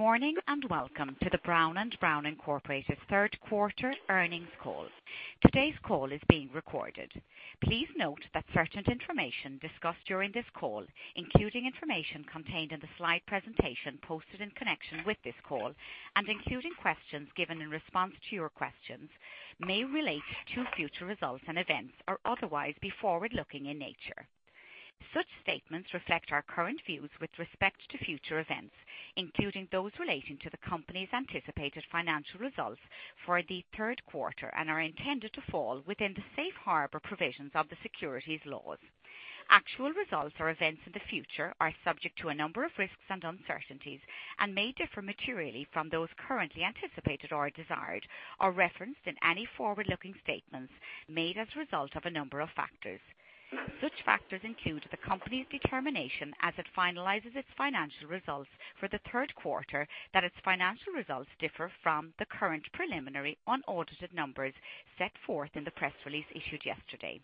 Good morning, and welcome to the Brown & Brown, Inc. third quarter earnings call. Today's call is being recorded. Please note that certain information discussed during this call, including information contained in the slide presentation posted in connection with this call and including questions given in response to your questions, may relate to future results and events or otherwise be forward-looking in nature. Such statements reflect our current views with respect to future events, including those relating to the company's anticipated financial results for the third quarter, and are intended to fall within the safe harbor provisions of the securities laws. Actual results or events in the future are subject to a number of risks and uncertainties and may differ materially from those currently anticipated or desired, or referenced in any forward-looking statements made as a result of a number of factors. Such factors include the company's determination as it finalizes its financial results for the third quarter, that its financial results differ from the current preliminary unaudited numbers set forth in the press release issued yesterday.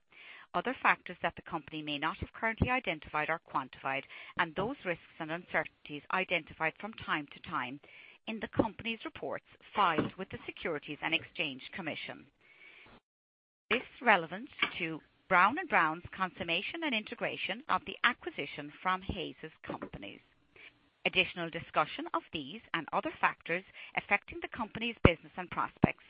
Other factors that the company may not have currently identified or quantified, and those risks and uncertainties identified from time to time in the company's reports filed with the Securities and Exchange Commission. This relevance to Brown & Brown's consummation and integration of the acquisition from Hays Companies. Additional discussion of these and other factors affecting the company's business and prospects,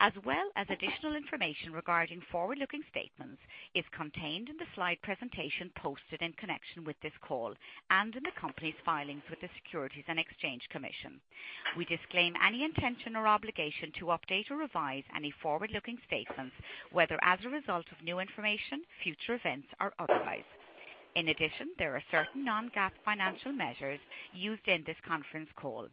as well as additional information regarding forward-looking statements, is contained in the slide presentation posted in connection with this call and in the company's filings with the Securities and Exchange Commission. We disclaim any intention or obligation to update or revise any forward-looking statements, whether as a result of new information, future events, or otherwise. In addition, there are certain non-GAAP financial measures used in this conference call.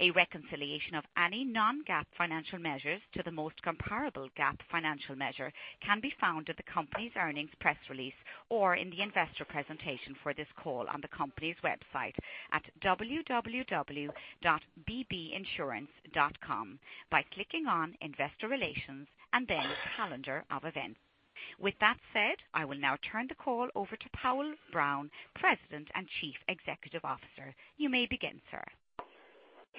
A reconciliation of any non-GAAP financial measures to the most comparable GAAP financial measure can be found in the company's earnings press release or in the investor presentation for this call on the company's website at www.bbinsurance.com by clicking on Investor Relations and then Calendar of Events. With that said, I will now turn the call over to Powell Brown, President and Chief Executive Officer. You may begin, sir.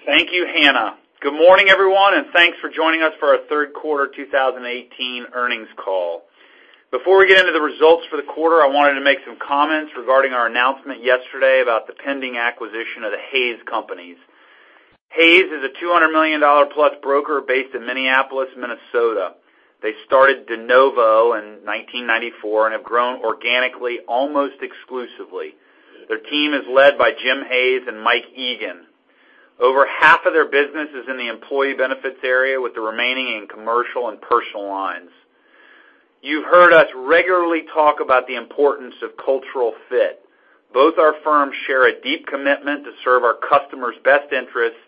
Thank you, Hannah. Good morning, everyone, and thanks for joining us for our third quarter 2018 earnings call. Before we get into the results for the quarter, I wanted to make some comments regarding our announcement yesterday about the pending acquisition of the Hays Companies. Hays is a $200 million-plus broker based in Minneapolis, Minnesota. They started de novo in 1994 and have grown organically almost exclusively. Their team is led by Jim Hays and Mike Egan. Over half of their business is in the employee benefits area, with the remaining in commercial and personal lines. You've heard us regularly talk about the importance of cultural fit. Both our firms share a deep commitment to serve our customers' best interests,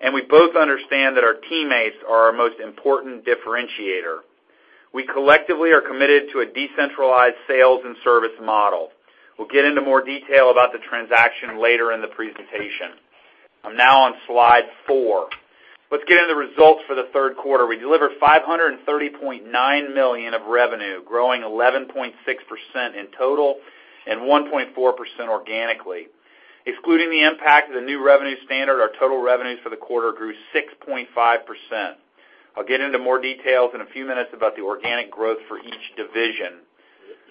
and we both understand that our teammates are our most important differentiator. We collectively are committed to a decentralized sales and service model. We'll get into more detail about the transaction later in the presentation. I'm now on slide four. Let's get into the results for the third quarter. We delivered $530.9 million of revenue, growing 11.6% in total and 1.4% organically. Excluding the impact of the new revenue standard, our total revenues for the quarter grew 6.5%. I'll get into more details in a few minutes about the organic growth for each division.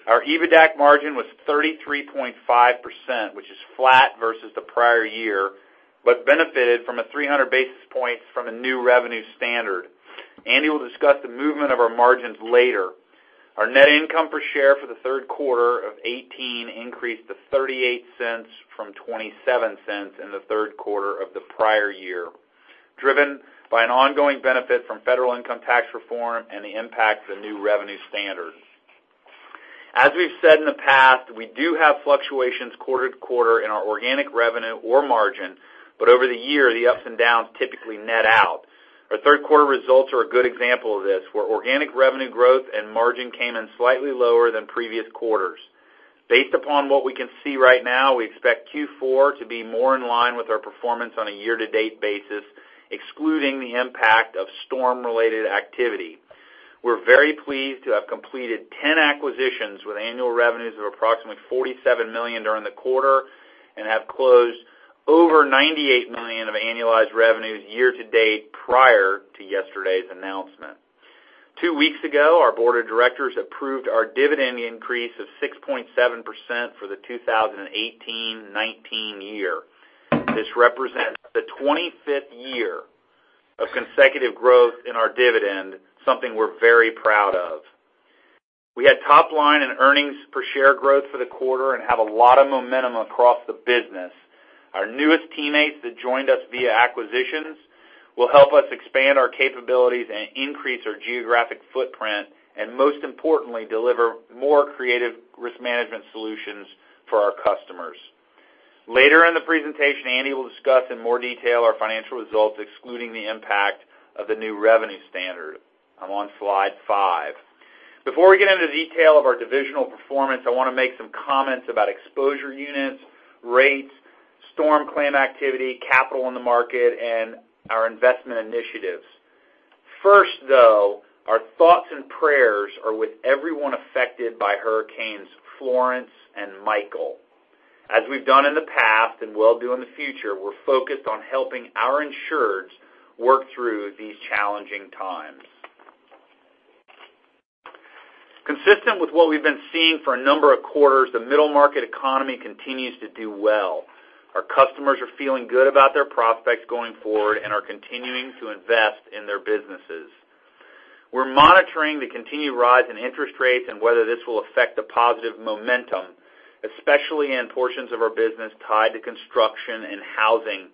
Our EBITDA margin was 33.5%, which is flat versus the prior year, but benefited from a 300 basis points from a new revenue standard. Andy will discuss the movement of our margins later. Our net income per share for the third quarter of 2018 increased to $0.38 from $0.27 in the third quarter of the prior year, driven by an ongoing benefit from federal income tax reform and the impact of the new revenue standards. As we've said in the past, we do have fluctuations quarter to quarter in our organic revenue or margin, but over the year, the ups and downs typically net out. Our third quarter results are a good example of this, where organic revenue growth and margin came in slightly lower than previous quarters. Based upon what we can see right now, we expect Q4 to be more in line with our performance on a year-to-date basis, excluding the impact of storm-related activity. We're very pleased to have completed 10 acquisitions with annual revenues of approximately $47 million during the quarter and have closed over $98 million of annualized revenues year-to-date prior to yesterday's announcement. Two weeks ago, our board of directors approved our dividend increase of 6.7% for the 2018-2019 year. This represents the 25th year of consecutive growth in our dividend, something we're very proud of. We had top line and earnings per share growth for the quarter and have a lot of momentum across the business. Our newest teammates that joined us via acquisitions will help us expand our capabilities and increase our geographic footprint, and most importantly, deliver more creative risk management solutions for our customers. Later in the presentation, Andy will discuss in more detail our financial results, excluding the impact of the new revenue standard. I'm on slide five. Before we get into the detail of our divisional performance, I want to make some comments about exposure units, rates, storm claim activity, capital in the market, and our investment initiatives. First, though, our thoughts and prayers are with everyone affected by Hurricane Florence and Hurricane Michael. As we've done in the past and will do in the future, we're focused on helping our insureds work through these challenging times. Consistent with what we've been seeing for a number of quarters, the middle market economy continues to do well. Our customers are feeling good about their prospects going forward and are continuing to invest in their businesses. We're monitoring the continued rise in interest rates and whether this will affect the positive momentum, especially in portions of our business tied to construction and housing.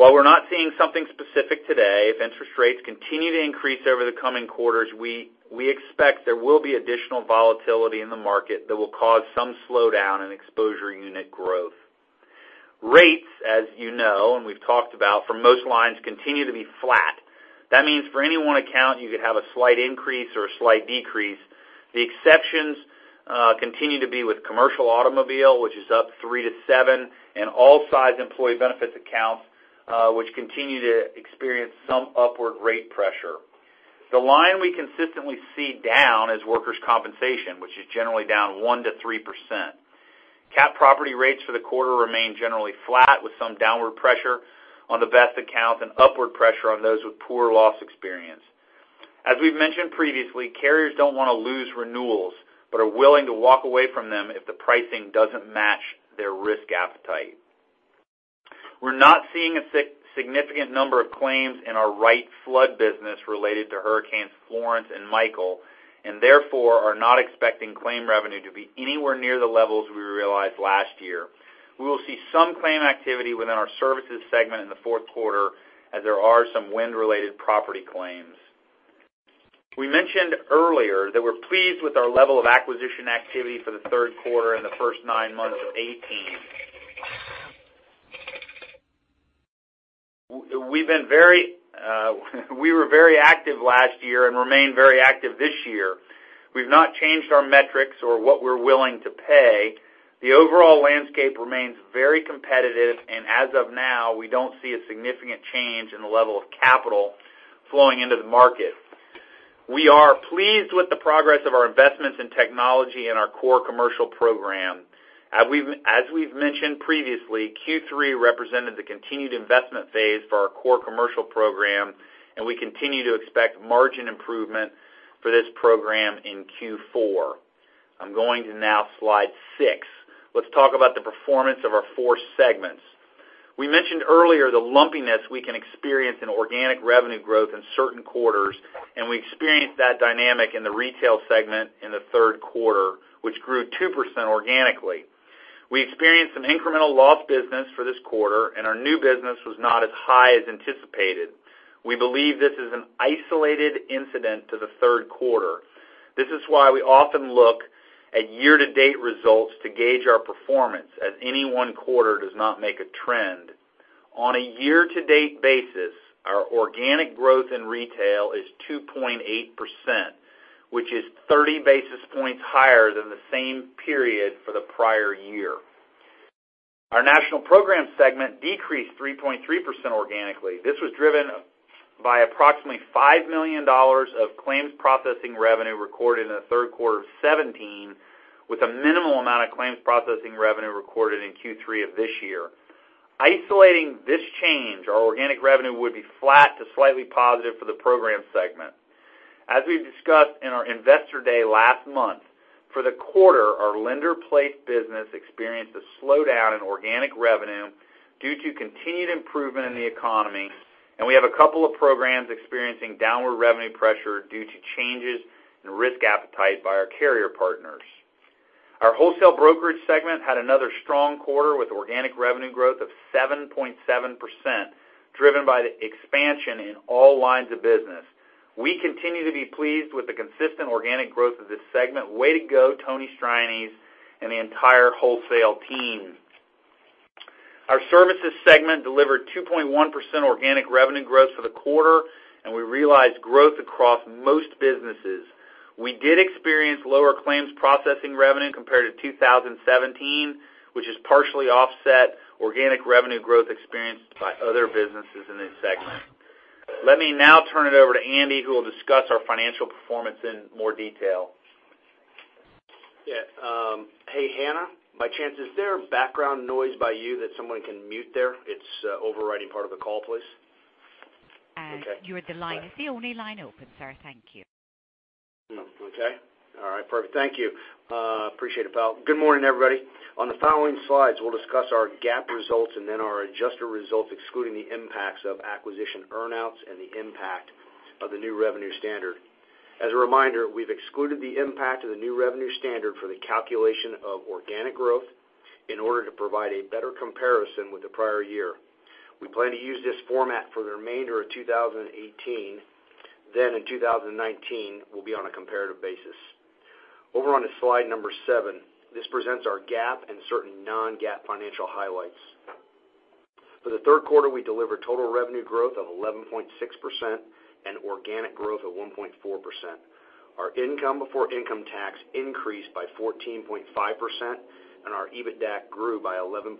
While we're not seeing something specific today, if interest rates continue to increase over the coming quarters, we expect there will be additional volatility in the market that will cause some slowdown in exposure unit growth. Rates, as you know and we've talked about, for most lines continue to be flat. That means for any one account, you could have a slight increase or a slight decrease. The exceptions continue to be with commercial automobile, which is up 3%-7%, and all size employee benefits accounts, which continue to experience some upward rate pressure. The line we consistently see down is workers' compensation, which is generally down 1%-3%. CAT property rates for the quarter remain generally flat with some downward pressure on the best accounts and upward pressure on those with poor loss experience. As we've mentioned previously, carriers don't want to lose renewals but are willing to walk away from them if the pricing doesn't match their risk appetite. We're not seeing a significant number of claims in our write flood business related to Hurricanes Florence and Michael, and therefore are not expecting claim revenue to be anywhere near the levels we realized last year. We will see some claim activity within our Services segment in the fourth quarter as there are some wind-related property claims. We mentioned earlier that we're pleased with our level of acquisition activity for the third quarter and the first nine months of 2018. We were very active last year and remain very active this year. We've not changed our metrics or what we're willing to pay. The overall landscape remains very competitive, and as of now, we don't see a significant change in the level of capital flowing into the market. We are pleased with the progress of our investments in technology and our core commercial program. As we've mentioned previously, Q3 represented the continued investment phase for our core commercial program, and we continue to expect margin improvement for this program in Q4. I'm going to now slide six. Let's talk about the performance of our four segments. We mentioned earlier the lumpiness we can experience in organic revenue growth in certain quarters, and we experienced that dynamic in the Retail segment in the third quarter, which grew 2% organically. We experienced some incremental loss business for this quarter, and our new business was not as high as anticipated. We believe this is an isolated incident to the third quarter. This is why we often look at year-to-date results to gauge our performance, as any one quarter does not make a trend. On a year-to-date basis, our organic growth in Retail is 2.8%, which is 30 basis points higher than the same period for the prior year. Our National Program segment decreased 3.3% organically. This was driven by approximately $5 million of claims processing revenue recorded in the third quarter of 2017, with a minimal amount of claims processing revenue recorded in Q3 of this year. Isolating this change, our organic revenue would be flat to slightly positive for the Program segment. As we've discussed in our Investor Day last month, for the quarter, our lender-placed business experienced a slowdown in organic revenue due to continued improvement in the economy, and we have a couple of programs experiencing downward revenue pressure due to changes in risk appetite by our carrier partners. Our Wholesale Brokerage segment had another strong quarter with organic revenue growth of 7.7%, driven by the expansion in all lines of business. We continue to be pleased with the consistent organic growth of this segment. Way to go, Tony Strianese and the entire wholesale team. Our Services segment delivered 2.1% organic revenue growth for the quarter, and we realized growth across most businesses. We did experience lower claims processing revenue compared to 2017, which has partially offset organic revenue growth experienced by other businesses in this segment. Let me now turn it over to Andy, who will discuss our financial performance in more detail. Hey, Hannah, by chance, is there background noise by you that someone can mute there? It's overriding part of the call, please. You're the line. It's the only line open, sir. Thank you. Okay. All right. Perfect. Thank you. Appreciate it, Pal. Good morning, everybody. On the following slides, we'll discuss our GAAP results and then our adjuster results, excluding the impacts of acquisition earn-outs and the impact of the new revenue standard. As a reminder, we've excluded the impact of the new revenue standard for the calculation of organic growth in order to provide a better comparison with the prior year. We plan to use this format for the remainder of 2018, then in 2019, we'll be on a comparative basis. Over on to slide number seven. This presents our GAAP and certain non-GAAP financial highlights. For the third quarter, we delivered total revenue growth of 11.6% and organic growth of 1.4%. Our income before income tax increased by 14.5%, and our EBITDAC grew by 11.8%,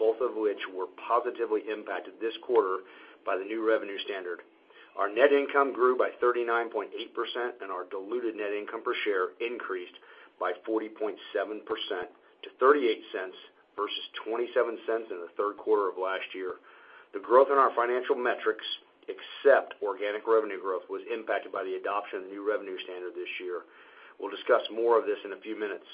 both of which were positively impacted this quarter by the new revenue standard. Our net income grew by 39.8%, and our diluted net income per share increased by 40.7% to $0.38 versus $0.27 in the third quarter of last year. The growth in our financial metrics, except organic revenue growth, was impacted by the adoption of the new revenue standard this year. We'll discuss more of this in a few minutes.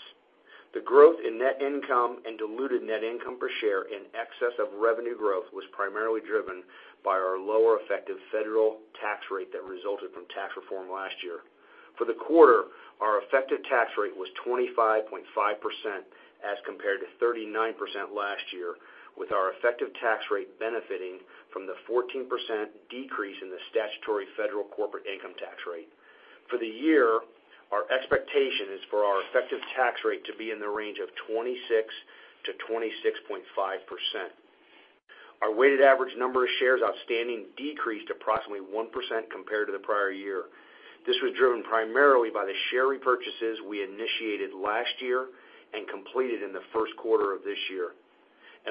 The growth in net income and diluted net income per share in excess of revenue growth was primarily driven by our lower effective federal tax rate that resulted from tax reform last year. For the quarter, our effective tax rate was 25.5% as compared to 39% last year, with our effective tax rate benefiting from the 14% decrease in the statutory federal corporate income tax rate. For the year, our expectation is for our effective tax rate to be in the range of 26%-26.5%. Our weighted average number of shares outstanding decreased approximately 1% compared to the prior year. This was driven primarily by the share repurchases we initiated last year and completed in the first quarter of this year.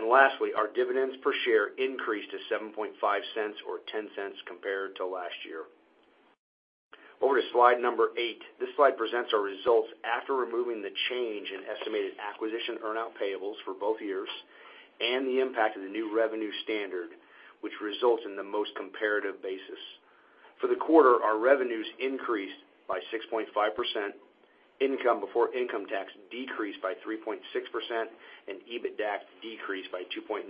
Lastly, our dividends per share increased to $0.075 or $0.10 compared to last year. Over to slide number eight. This slide presents our results after removing the change in estimated acquisition earn-out payables for both years and the impact of the new revenue standard, which results in the most comparative basis. For the quarter, our revenues increased by 6.5%, income before income tax decreased by 3.6%, and EBITDAC decreased by 2.9%.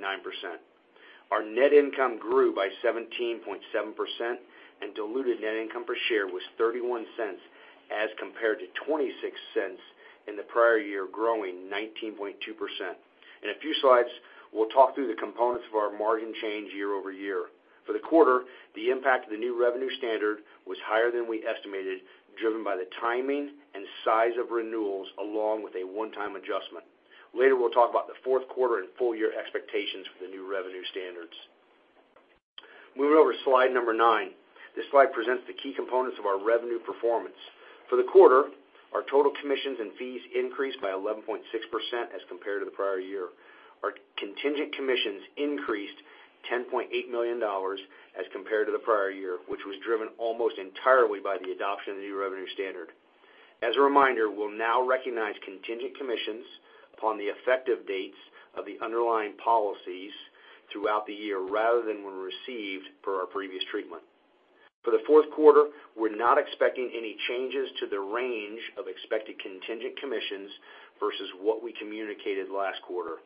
Our net income grew by 17.7%, and diluted net income per share was $0.31 as compared to $0.26 in the prior year, growing 19.2%. In a few slides, we'll talk through the components of our margin change year-over-year. For the quarter, the impact of the new revenue standard was higher than we estimated, driven by the timing and size of renewals, along with a one-time adjustment. Later, we'll talk about the fourth quarter and full year expectations for the new revenue standards. Moving over to slide number nine. This slide presents the key components of our revenue performance. For the quarter, our total commissions and fees increased by 11.6% as compared to the prior year. Our contingent commissions increased $10.8 million as compared to the prior year, which was driven almost entirely by the adoption of the new revenue standard. As a reminder, we'll now recognize contingent commissions upon the effective dates of the underlying policies throughout the year rather than when received per our previous treatment. For the fourth quarter, we're not expecting any changes to the range of expected contingent commissions versus what we communicated last quarter.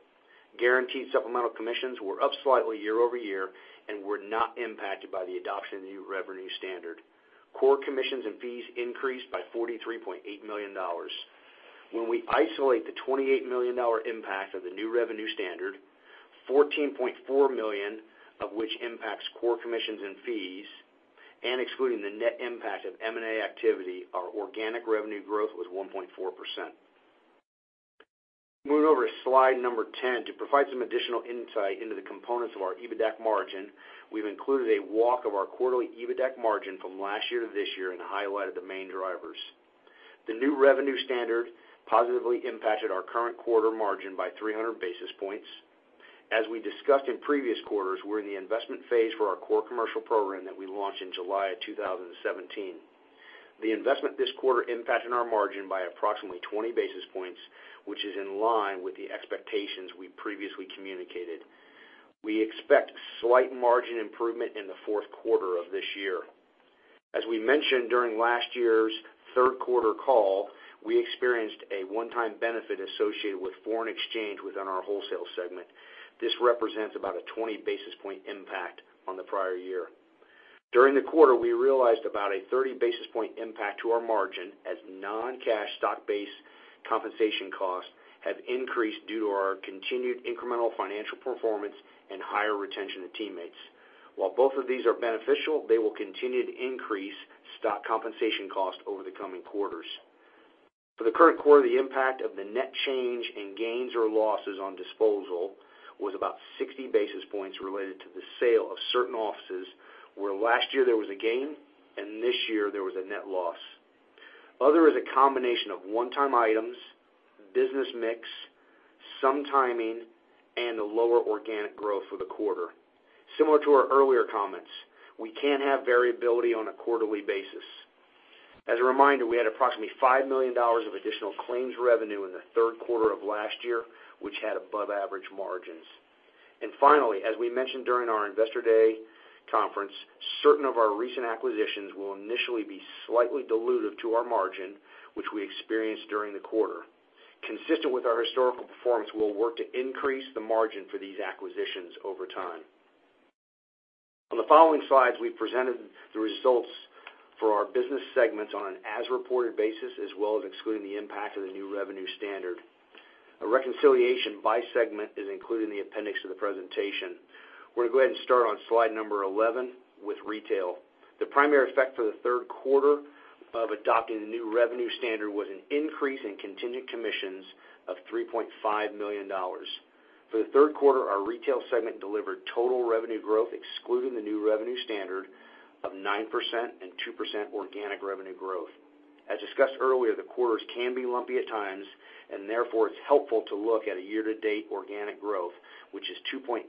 Guaranteed supplemental commissions were up slightly year-over-year and were not impacted by the adoption of the new revenue standard. Core commissions and fees increased by $43.8 million. When we isolate the $28 million impact of the new revenue standard, $14.4 million of which impacts core commissions and fees, and excluding the net impact of M&A activity, our organic revenue growth was 1.4%. Moving over to slide number 10. To provide some additional insight into the components of our EBITDAC margin, we've included a walk of our quarterly EBITDAC margin from last year to this year and highlighted the main drivers. The new revenue standard positively impacted our current quarter margin by 300 basis points. As we discussed in previous quarters, we're in the investment phase for our core commercial program that we launched in July of 2017. The investment this quarter impacted our margin by approximately 20 basis points, which is in line with the expectations we previously communicated. We expect slight margin improvement in the fourth quarter of this year. As we mentioned during last year's third quarter call, we experienced a one-time benefit associated with foreign exchange within our wholesale segment. This represents about a 20 basis point impact on the prior year. During the quarter, we realized about a 30 basis point impact to our margin as non-cash stock-based compensation costs have increased due to our continued incremental financial performance and higher retention of teammates. While both of these are beneficial, they will continue to increase stock compensation costs over the coming quarters. For the current quarter, the impact of the net change in gains or losses on disposal was about 60 basis points related to the sale of certain offices, where last year there was a gain, and this year, there was a net loss. Other is a combination of one-time items, business mix, some timing, and a lower organic growth for the quarter. Similar to our earlier comments, we can have variability on a quarterly basis. As a reminder, we had approximately $5 million of additional claims revenue in the third quarter of last year, which had above-average margins. Finally, as we mentioned during our Investor Day conference, certain of our recent acquisitions will initially be slightly dilutive to our margin, which we experienced during the quarter. Consistent with our historical performance, we will work to increase the margin for these acquisitions over time. On the following slides, we presented the results for our business segments on an as-reported basis, as well as excluding the impact of the New revenue standard. A reconciliation by segment is included in the appendix of the presentation. We are going to go ahead and start on slide number 11 with Retail. The primary effect for the third quarter of adopting the New revenue standard was an increase in contingent commissions of $3.5 million. For the third quarter, our Retail segment delivered total revenue growth, excluding the New revenue standard, of 9% and 2% organic revenue growth. As discussed earlier, the quarters can be lumpy at times. Therefore, it's helpful to look at a year-to-date organic growth, which is 2.8%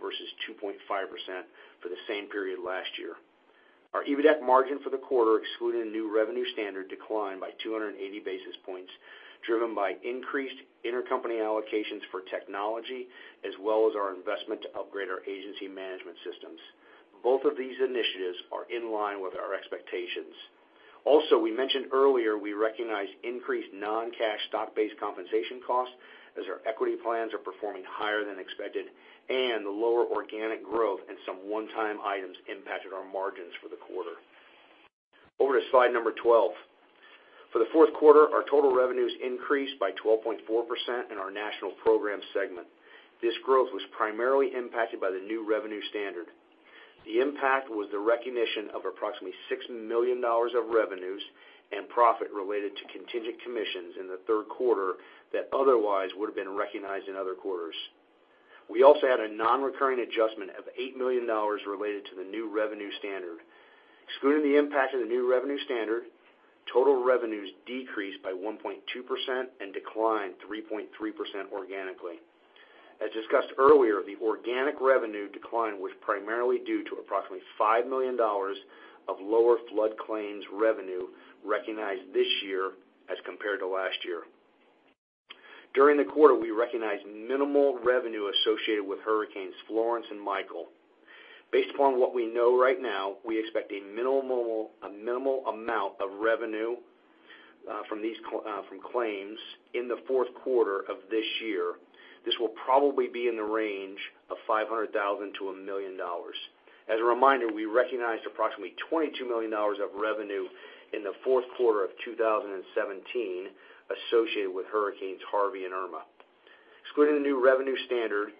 versus 2.5% for the same period last year. Our EBITDAC margin for the quarter, excluding the New revenue standard, declined by 280 basis points, driven by increased intercompany allocations for technology, as well as our investment to upgrade our agency management systems. Both of these initiatives are in line with our expectations. We mentioned earlier, we recognized increased non-cash stock-based compensation costs, as our equity plans are performing higher than expected, and the lower organic growth and some one-time items impacted our margins for the quarter. Over to slide number 12. For the fourth quarter, our total revenues increased by 12.4% in our national program segment. This growth was primarily impacted by the New revenue standard. The impact was the recognition of approximately $6 million of revenues and profit related to contingent commissions in the third quarter that otherwise would have been recognized in other quarters. We also had a non-recurring adjustment of $8 million related to the New revenue standard. Excluding the impact of the New revenue standard, total revenues decreased by 1.2% and declined 3.3% organically. As discussed earlier, the organic revenue decline was primarily due to approximately $5 million of lower flood claims revenue recognized this year as compared to last year. During the quarter, we recognized minimal revenue associated with Hurricanes Florence and Michael. Based upon what we know right now, we expect a minimal amount of revenue from claims in the fourth quarter of this year. This will probably be in the range of $500,000-$1 million. As a reminder, we recognized approximately $22 million of revenue in the fourth quarter of 2017 associated with Hurricanes Harvey and Irma. Excluding the new revenue standard,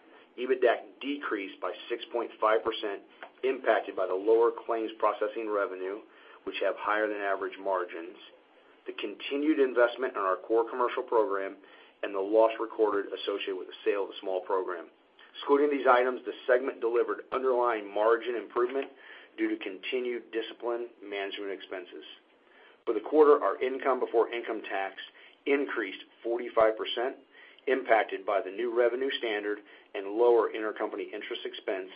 EBITDAC decreased by 6.5%, impacted by the lower claims processing revenue, which have higher than average margins, the continued investment in our core commercial program, and the loss recorded associated with the sale of the small program. Excluding these items, the segment delivered underlying margin improvement due to continued discipline management expenses. For the quarter, our income before income tax increased 45%, impacted by the new revenue standard and lower intercompany interest expense,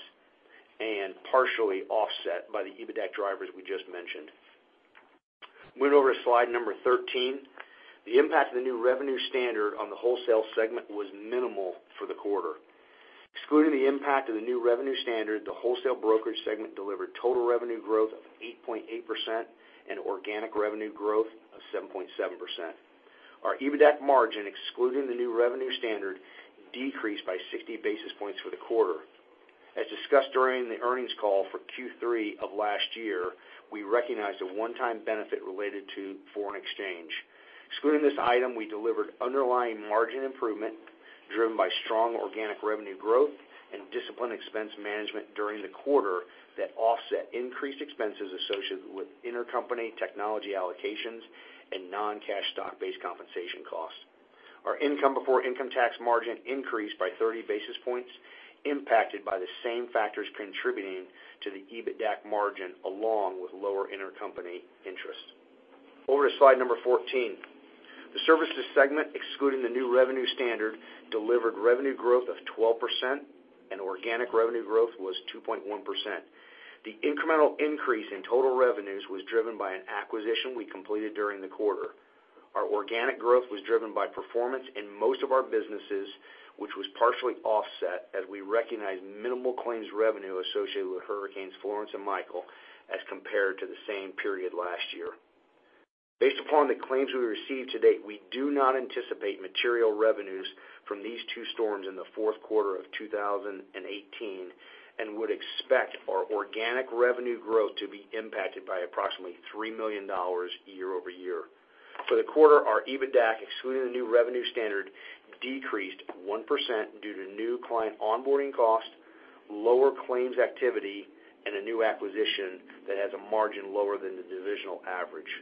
and partially offset by the EBITDAC drivers we just mentioned. Moving over to slide number 13. The impact of the new revenue standard on the wholesale segment was minimal for the quarter. Excluding the impact of the new revenue standard, the Wholesale Brokerage segment delivered total revenue growth of 8.8% and organic revenue growth of 7.7%. Our EBITDAC margin, excluding the new revenue standard, decreased by 60 basis points for the quarter. As discussed during the earnings call for Q3 of last year, we recognized a one-time benefit related to foreign exchange. Excluding this item, we delivered underlying margin improvement driven by strong organic revenue growth and disciplined expense management during the quarter that offset increased expenses associated with intercompany technology allocations and non-cash stock-based compensation costs. Our income before income tax margin increased by 30 basis points, impacted by the same factors contributing to the EBITDAC margin along with lower intercompany interest. Over to slide number 14. The Services segment, excluding the new revenue standard, delivered revenue growth of 12%, and organic revenue growth was 2.1%. The incremental increase in total revenues was driven by an acquisition we completed during the quarter. Our organic growth was driven by performance in most of our businesses, which was partially offset as we recognized minimal claims revenue associated with Hurricanes Florence and Michael as compared to the same period last year. Based upon the claims we received to date, we do not anticipate material revenues from these two storms in the fourth quarter of 2018 and would expect our organic revenue growth to be impacted by approximately $3 million year-over-year. For the quarter, our EBITDAC, excluding the new revenue standard, decreased 1% due to new client onboarding costs, lower claims activity, and a new acquisition that has a margin lower than the divisional average.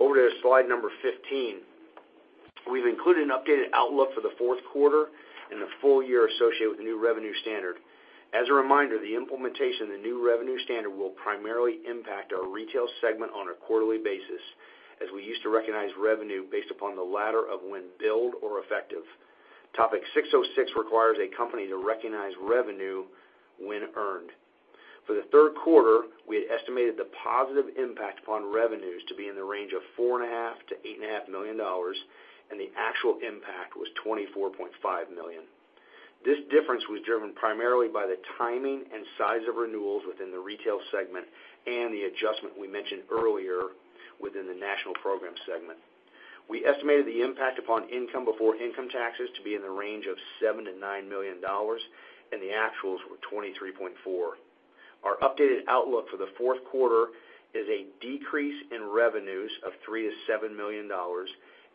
Over to slide number 15. We've included an updated outlook for the fourth quarter and the full year associated with the new revenue standard. As a reminder, the implementation of the new revenue standard will primarily impact our Retail segment on a quarterly basis, as we used to recognize revenue based upon the ladder of when billed or effective. Topic 606 requires a company to recognize revenue when earned. For the third quarter, we had estimated the positive impact upon revenues to be in the range of $4.5 million-$8.5 million, and the actual impact was $24.5 million. This difference was driven primarily by the timing and size of renewals within the Retail segment and the adjustment we mentioned earlier within the National Program Segment. We estimated the impact upon income before income taxes to be in the range of $7 million-$9 million, and the actuals were $23.4. Our updated outlook for the fourth quarter is a decrease in revenues of $3 million-$7 million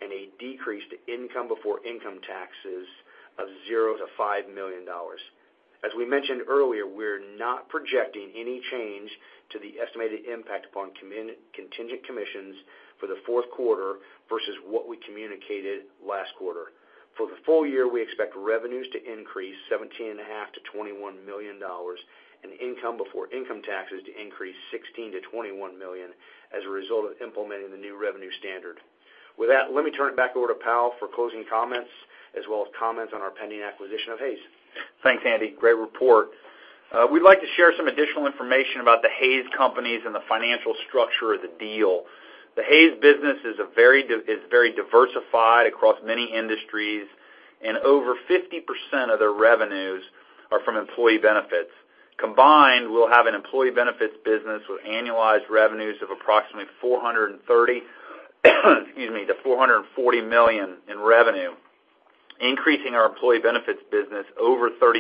and a decrease to income before income taxes of $0-$5 million. As we mentioned earlier, we're not projecting any change to the estimated impact upon contingent commissions for the fourth quarter versus what we communicated last quarter. For the full year, we expect revenues to increase $17.5 million-$21 million, and income before income taxes to increase $16 million-$21 million as a result of implementing the new revenue standard. With that, let me turn it back over to Powell for closing comments, as well as comments on our pending acquisition of Hays. Thanks, Andy. Great report. We'd like to share some additional information about the Hays Companies and the financial structure of the deal. The Hays business is very diversified across many industries, and over 50% of their revenues are from employee benefits. Combined, we'll have an employee benefits business with annualized revenues of approximately $430 million-$440 million in revenue, increasing our employee benefits business over 35%.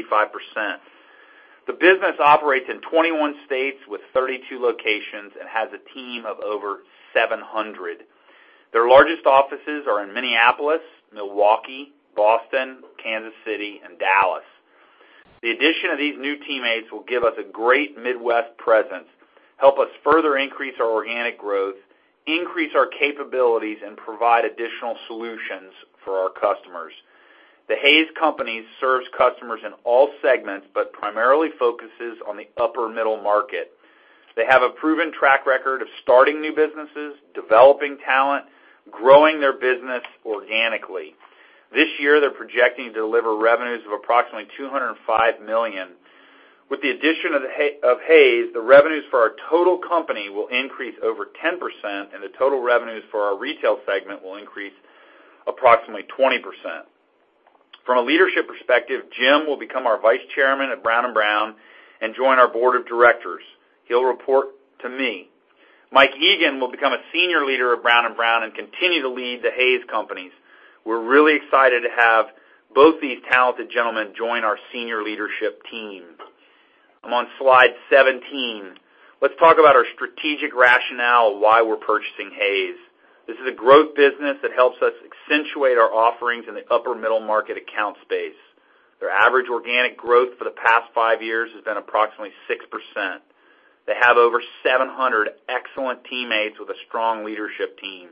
The business operates in 21 states with 32 locations and has a team of over 700. Their largest offices are in Minneapolis, Milwaukee, Boston, Kansas City, and Dallas. The addition of these new teammates will give us a great Midwest presence, help us further increase our organic growth, increase our capabilities, and provide additional solutions for our customers. The Hays Company serves customers in all segments, but primarily focuses on the upper middle market. They have a proven track record of starting new businesses, developing talent, growing their business organically. This year, they're projecting to deliver revenues of approximately $205 million. With the addition of Hays, the revenues for our total company will increase over 10%, and the total revenues for our Retail segment will increase approximately 20%. From a leadership perspective, Jim will become our vice chairman at Brown & Brown and join our board of directors. He'll report to me. Mike Egan will become a senior leader at Brown & Brown and continue to lead the Hays Companies. We're really excited to have both these talented gentlemen join our senior leadership team. I'm on slide 17. Let's talk about our strategic rationale of why we're purchasing Hays. This is a growth business that helps us accentuate our offerings in the upper middle market account space. Their average organic growth for the past five years has been approximately 6%. They have over 700 excellent teammates with a strong leadership team.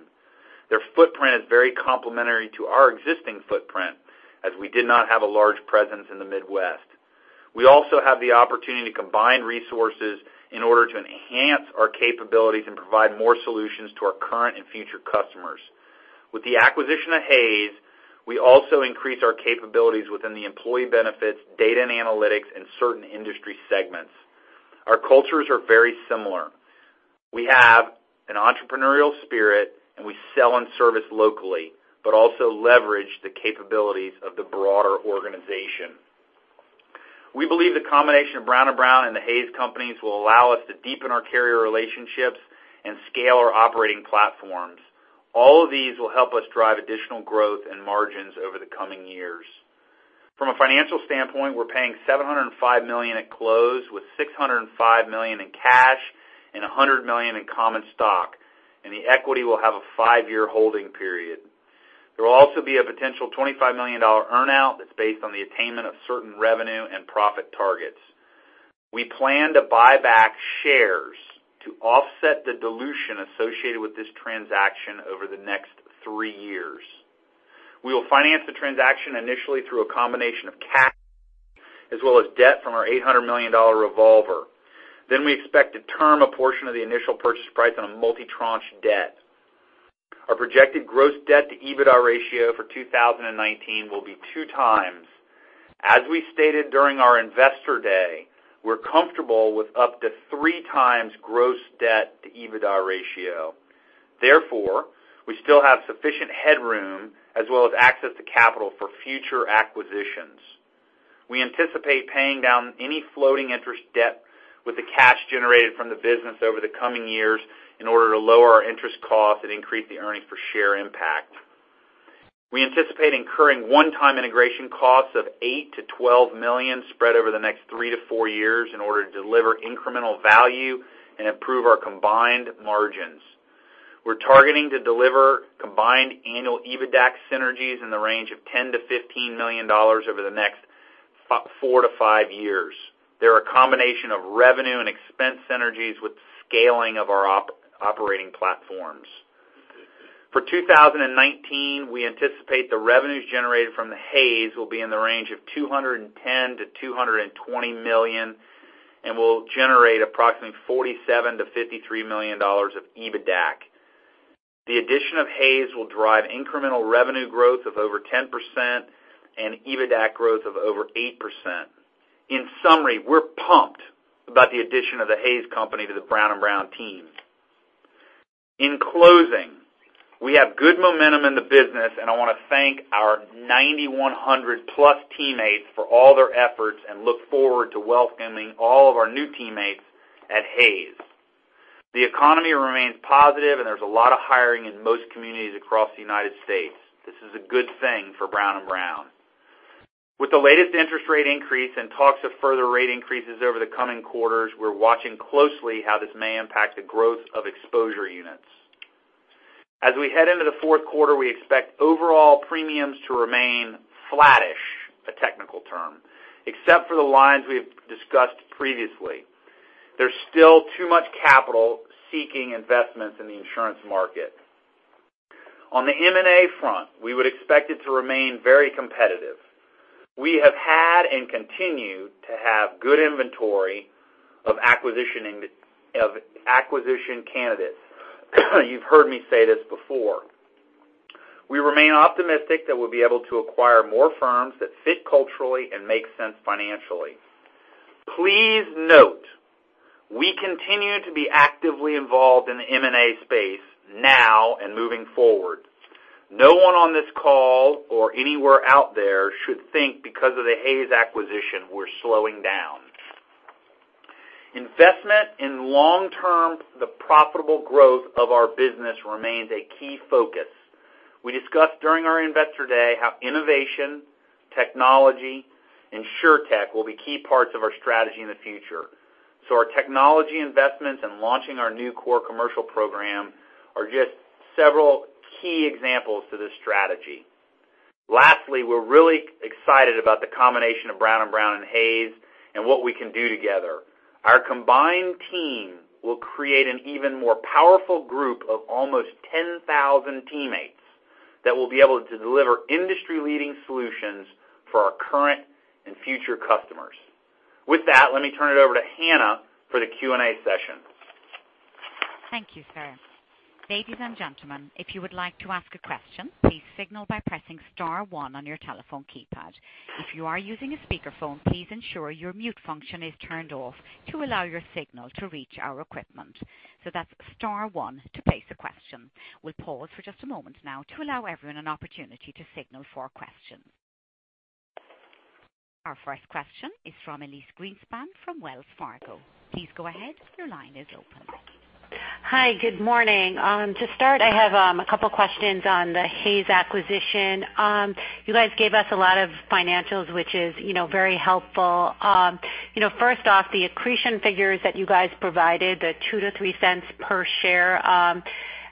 Their footprint is very complementary to our existing footprint, as we did not have a large presence in the Midwest. We also have the opportunity to combine resources in order to enhance our capabilities and provide more solutions to our current and future customers. With the acquisition of Hays, we also increase our capabilities within the employee benefits, data and analytics in certain industry segments. Our cultures are very similar. We have an entrepreneurial spirit, and we sell and service locally, but also leverage the capabilities of the broader organization. We believe the combination of Brown & Brown and the Hays Companies will allow us to deepen our carrier relationships and scale our operating platforms. All of these will help us drive additional growth and margins over the coming years. From a financial standpoint, we're paying $705 million at close, with $605 million in cash and $100 million in common stock, and the equity will have a five-year holding period. There will also be a potential $25 million earn-out that's based on the attainment of certain revenue and profit targets. We plan to buy back shares to offset the dilution associated with this transaction over the next three years. We will finance the transaction initially through a combination of cash as well as debt from our $800 million revolver. Then we expect to term a portion of the initial purchase price on a multi-tranche debt. Our projected gross debt to EBITDA ratio for 2019 will be 2x. As we stated during our investor day, we're comfortable with up to three times gross debt to EBITDA ratio. Therefore, we still have sufficient headroom as well as access to capital for future acquisitions. We anticipate paying down any floating interest debt with the cash generated from the business over the coming years in order to lower our interest cost and increase the earnings per share impact. We anticipate incurring one-time integration costs of eight to 12 million spread over the next three to four years in order to deliver incremental value and improve our combined margins. We're targeting to deliver combined annual EBITDA synergies in the range of $10 million-$15 million over the next four to five years. They're a combination of revenue and expense synergies with scaling of our operating platforms. For 2019, we anticipate the revenues generated from the Hays will be in the range of $210 million-$220 million and will generate approximately $47 million-$53 million of EBITDA. The addition of Hays will drive incremental revenue growth of over 10% and EBITDA growth of over 8%. In summary, we're pumped about the addition of the Hays Company to the Brown & Brown team. In closing, we have good momentum in the business, and I want to thank our 9,100+ teammates for all their efforts and look forward to welcoming all of our new teammates at Hays. The economy remains positive, and there's a lot of hiring in most communities across the United States. This is a good thing for Brown & Brown. With the latest interest rate increase and talks of further rate increases over the coming quarters, we're watching closely how this may impact the growth of exposure units. As we head into the fourth quarter, we expect overall premiums to remain flattish, a technical term, except for the lines we have discussed previously. There's still too much capital seeking investments in the insurance market. On the M&A front, we would expect it to remain very competitive. We have had and continue to have good inventory of acquisition candidates. You've heard me say this before. We remain optimistic that we'll be able to acquire more firms that fit culturally and make sense financially. Please note, we continue to be actively involved in the M&A space now and moving forward. No one on this call or anywhere out there should think because of the Hays acquisition, we're slowing down. Investment in long-term, the profitable growth of our business remains a key focus. We discussed during our investor day how innovation, technology, Insurtech will be key parts of our strategy in the future. Our technology investments and launching our new core commercial program are just several key examples to this strategy. Lastly, we're really excited about the combination of Brown & Brown and Hays and what we can do together. Our combined team will create an even more powerful group of almost 10,000 teammates that will be able to deliver industry-leading solutions for our current and future customers. With that, let me turn it over to Hannah for the Q&A session. Thank you, sir. Ladies and gentlemen, if you would like to ask a question, please signal by pressing star one on your telephone keypad. If you are using a speakerphone, please ensure your mute function is turned off to allow your signal to reach our equipment. That's star one to place a question. We'll pause for just a moment now to allow everyone an opportunity to signal for questions. Our first question is from Elyse Greenspan from Wells Fargo. Please go ahead. Your line is open. Hi, good morning. To start, I have a couple questions on the Hays acquisition. You guys gave us a lot of financials, which is very helpful. First off, the accretion figures that you guys provided, the $0.02-$0.03 per share.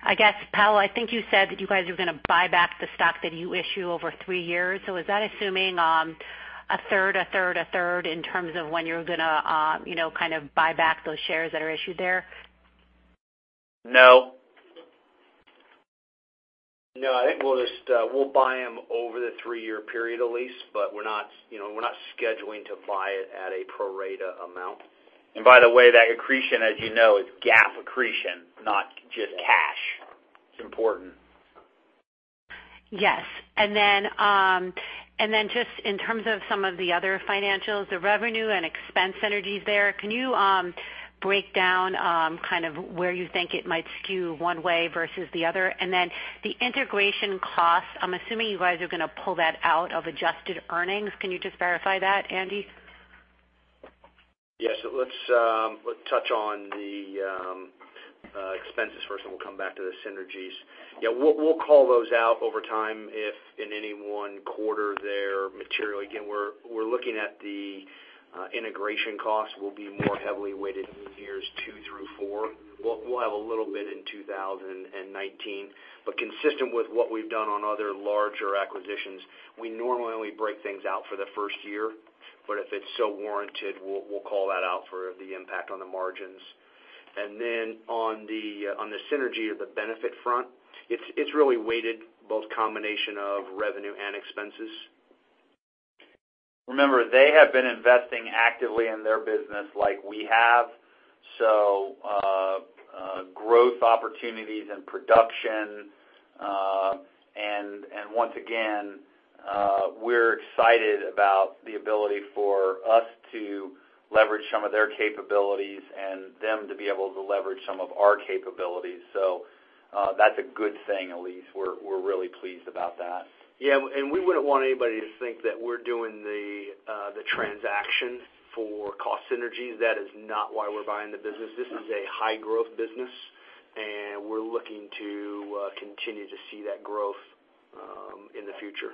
I guess, Powell, I think you said that you guys are going to buy back the stock that you issue over three years. Is that assuming a third, a third, a third in terms of when you're going to kind of buy back those shares that are issued there? No. No, I think we'll buy them over the three-year period, Elyse, but we're not scheduling to buy it at a pro-rata amount. By the way, that accretion, as you know, is GAAP accretion, not just cash. It's important. Yes. Just in terms of some of the other financials, the revenue and expense synergies there, can you break down kind of where you think it might skew one way versus the other? The integration costs, I'm assuming you guys are going to pull that out of adjusted earnings. Can you just verify that, Andy? Yes. Let's touch on the expenses first, and we'll come back to the synergies. Yeah, we'll call those out over time if in any one quarter they're material. Again, we're looking at the integration costs will be more heavily weighted in years two through four. We'll have a little bit in 2019. Consistent with what we've done on other larger acquisitions, we normally only break things out for the first year. If it's so warranted, we'll call that out for the impact on the margins. On the synergy or the benefit front, it's really weighted both combination of revenue and expenses. Remember, they have been investing actively in their business like we have. Growth opportunities and production, and once again, we're excited about the ability for us to leverage some of their capabilities and them to be able to leverage some of our capabilities. That's a good thing, Elyse. We're really pleased about that. We wouldn't want anybody to think that we're doing the transaction for cost synergies. That is not why we're buying the business. This is a high growth business, and we're looking to continue to see that growth in the future.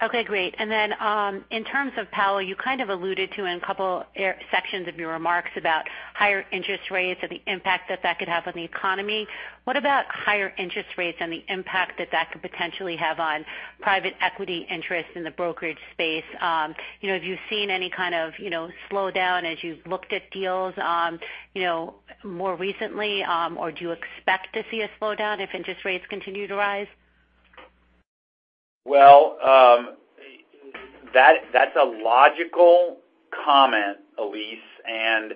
Okay, great. In terms of Powell, you kind of alluded to in a couple sections of your remarks about higher interest rates and the impact that that could have on the economy. What about higher interest rates and the impact that that could potentially have on private equity interest in the brokerage space? Have you seen any kind of slowdown as you've looked at deals more recently? Do you expect to see a slowdown if interest rates continue to rise? Well, that's a logical comment, Elyse,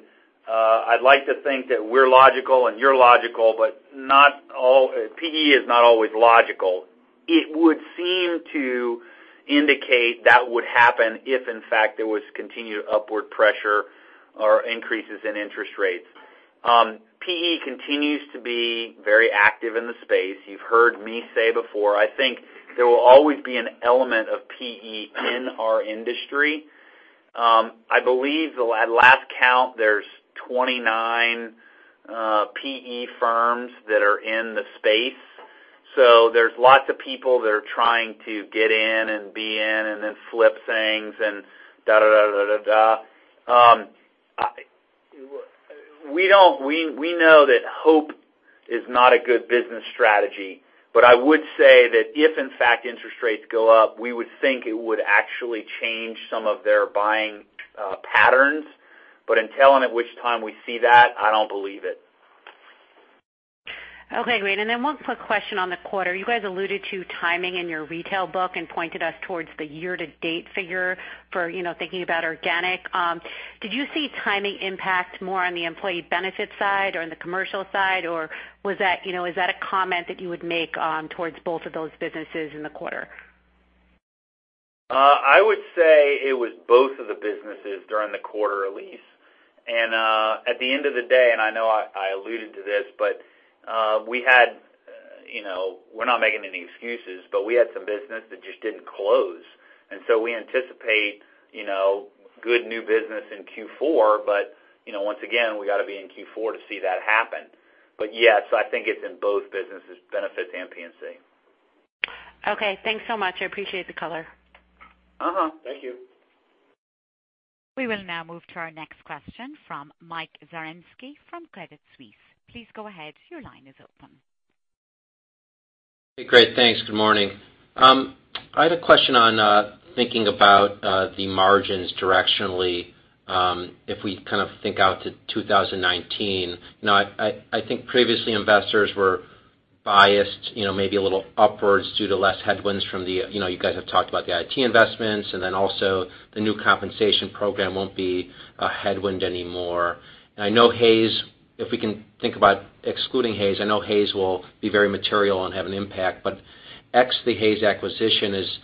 I'd like to think that we're logical and you're logical, PE is not always logical. It would seem to indicate that would happen if in fact there was continued upward pressure or increases in interest rates. PE continues to be very active in the space. You've heard me say before, I think there will always be an element of PE in our industry. I believe at last count, there's 29 PE firms that are in the space. There's lots of people that are trying to get in and be in and then flip things and da, da, da. We know that hope is not a good business strategy. I would say that if in fact interest rates go up, we would think it would actually change some of their buying patterns. In telling at which time we see that, I don't believe it. Okay, great. One quick question on the quarter. You guys alluded to timing in your retail book and pointed us towards the year-to-date figure for thinking about organic. Did you see timing impact more on the employee benefits side or on the commercial side, or is that a comment that you would make towards both of those businesses in the quarter? I would say it was both of the businesses during the quarter, Elyse. At the end of the day, I know I alluded to this, we're not making any excuses, we had some business that just didn't close. We anticipate good new business in Q4, once again, we got to be in Q4 to see that happen. Yes, I think it's in both businesses, benefits and P&C. Okay, thanks so much. I appreciate the color. Thank you. We will now move to our next question from Mike Zaremski from Credit Suisse. Please go ahead. Your line is open. Hey, great. Thanks. Good morning. I had a question on thinking about the margins directionally, if we kind of think out to 2019. I think previously investors were biased maybe a little upwards due to less headwinds from the, you guys have talked about the IT investments, and then also the new compensation program won't be a headwind anymore. If we can think about excluding Hays, I know Hays will be very material and have an impact. Ex the Hays acquisition, is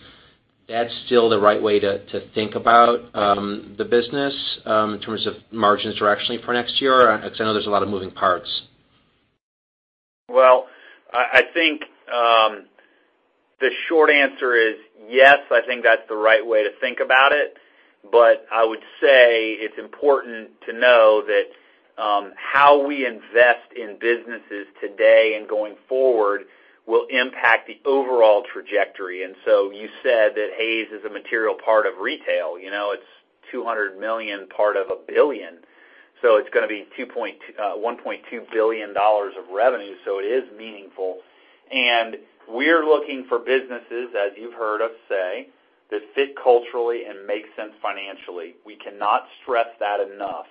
that still the right way to think about the business in terms of margins directionally for next year? I know there's a lot of moving parts. Well, I think the short answer is yes, I think that's the right way to think about it. I would say it's important to know that how we invest in businesses today and going forward will impact the overall trajectory. You said that Hays is a material part of retail. It's $200 million part of a $1 billion. So it's going to be $1.2 billion of revenue, so it is meaningful. We're looking for businesses, as you've heard us say, that fit culturally and make sense financially. We cannot stress that enough.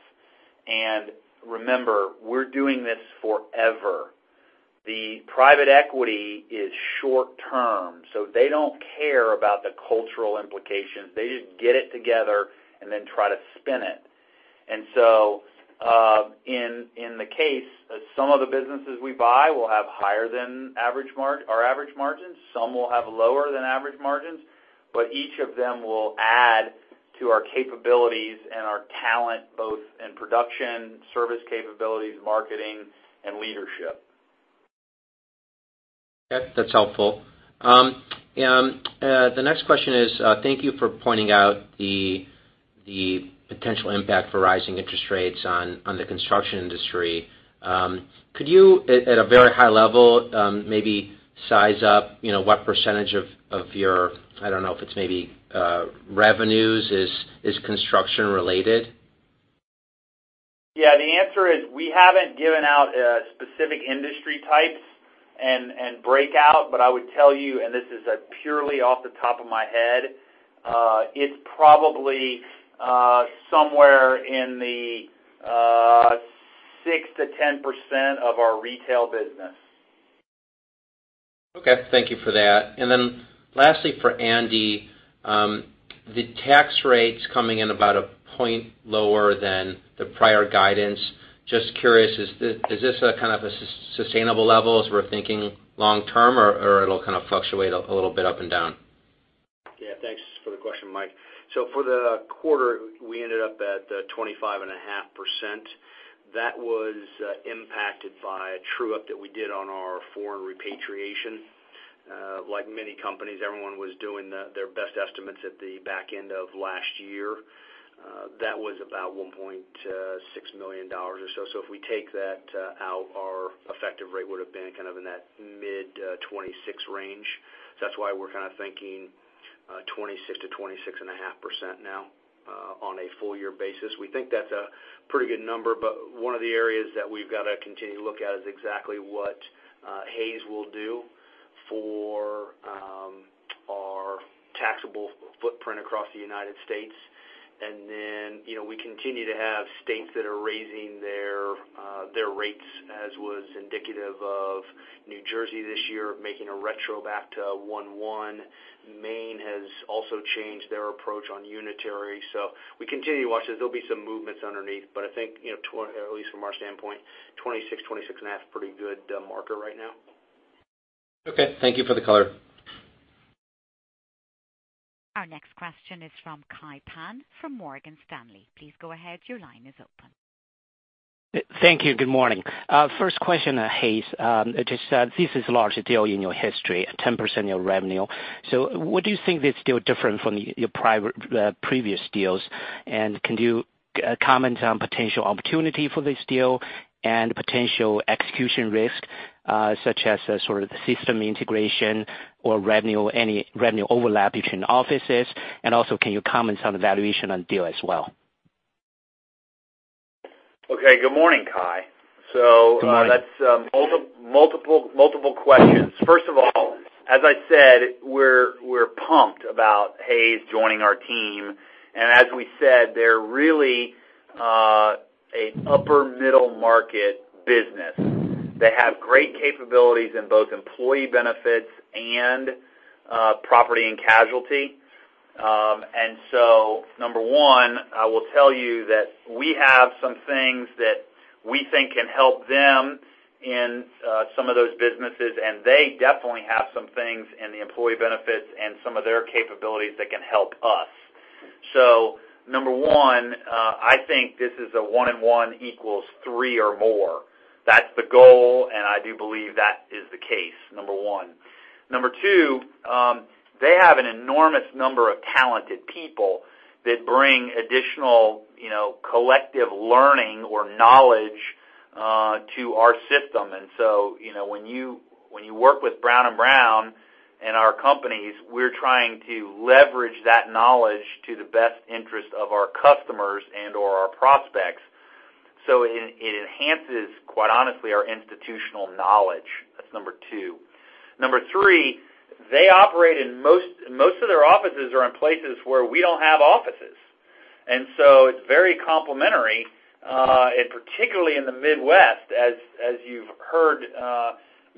Remember, we're doing this forever. The private equity is short-term, so they don't care about the cultural implications. They just get it together and then try to spin it. In the case of some of the businesses we buy will have higher than our average margins, some will have lower than average margins, each of them will add to our capabilities and our talent, both in production, service capabilities, marketing, and leadership. Yeah, that's helpful. The next question is, thank you for pointing out the potential impact for rising interest rates on the construction industry. Could you, at a very high level, maybe size up what percentage of your, I don't know if it's maybe revenues, is construction related? Yeah, the answer is we haven't given out specific industry types and breakout. I would tell you, and this is purely off the top of my head, it's probably somewhere in the 6%-10% of our Retail business. Okay, thank you for that. Lastly for Andy, the tax rates coming in about a point lower than the prior guidance. Just curious, is this a kind of a sustainable level as we're thinking long term, or it'll kind of fluctuate a little bit up and down? Yeah, thanks for the question, Mike. For the quarter, we ended up at 25.5%. That was impacted by a true-up that we did on our foreign repatriation. Like many companies, everyone was doing their best estimates at the back end of last year. That was about $1.6 million or so. If we take that out, our effective rate would have been kind of in that mid-26% range. That's why we're kind of thinking 26%-26.5% now on a full year basis. We think that's a pretty good number. One of the areas that we've got to continue to look at is exactly what Hays will do for our taxable footprint across the U.S. We continue to have states that are raising their rates as was indicative of New Jersey this year, making a retro back to 1/1. Maine has also changed their approach on unitary. We continue to watch this. There'll be some movements underneath, but I think at least from our standpoint, 26%, 26.5% is a pretty good marker right now. Okay. Thank you for the color. Our next question is from Kai Pan from Morgan Stanley. Please go ahead. Your line is open. Thank you. Good morning. First question on Hays. This is a large deal in your history, 10% of your revenue. What do you think is still different from your previous deals? Can you comment on potential opportunity for this deal and potential execution risk, such as sort of the system integration or any revenue overlap between offices? Also, can you comment on the valuation on the deal as well? Okay, good morning, Kai. Good morning. That's multiple questions. First of all, as I said, we're pumped about Hays joining our team. As we said, they're really an upper middle market business. They have great capabilities in both employee benefits and property and casualty. Number one, I will tell you that we have some things that we think can help them in some of those businesses, and they definitely have some things in the employee benefits and some of their capabilities that can help us. Number one, I think this is a one and one equals three or more. That's the goal, and I do believe that is the case, number one. Number two, they have an enormous number of talented people that bring additional collective learning or knowledge to our system. When you work with Brown & Brown and our companies, we're trying to leverage that knowledge to the best interest of our customers and/or our prospects. It enhances, quite honestly, our institutional knowledge. That's number two. Number three, most of their offices are in places where we don't have offices. It's very complementary, and particularly in the Midwest, as you've heard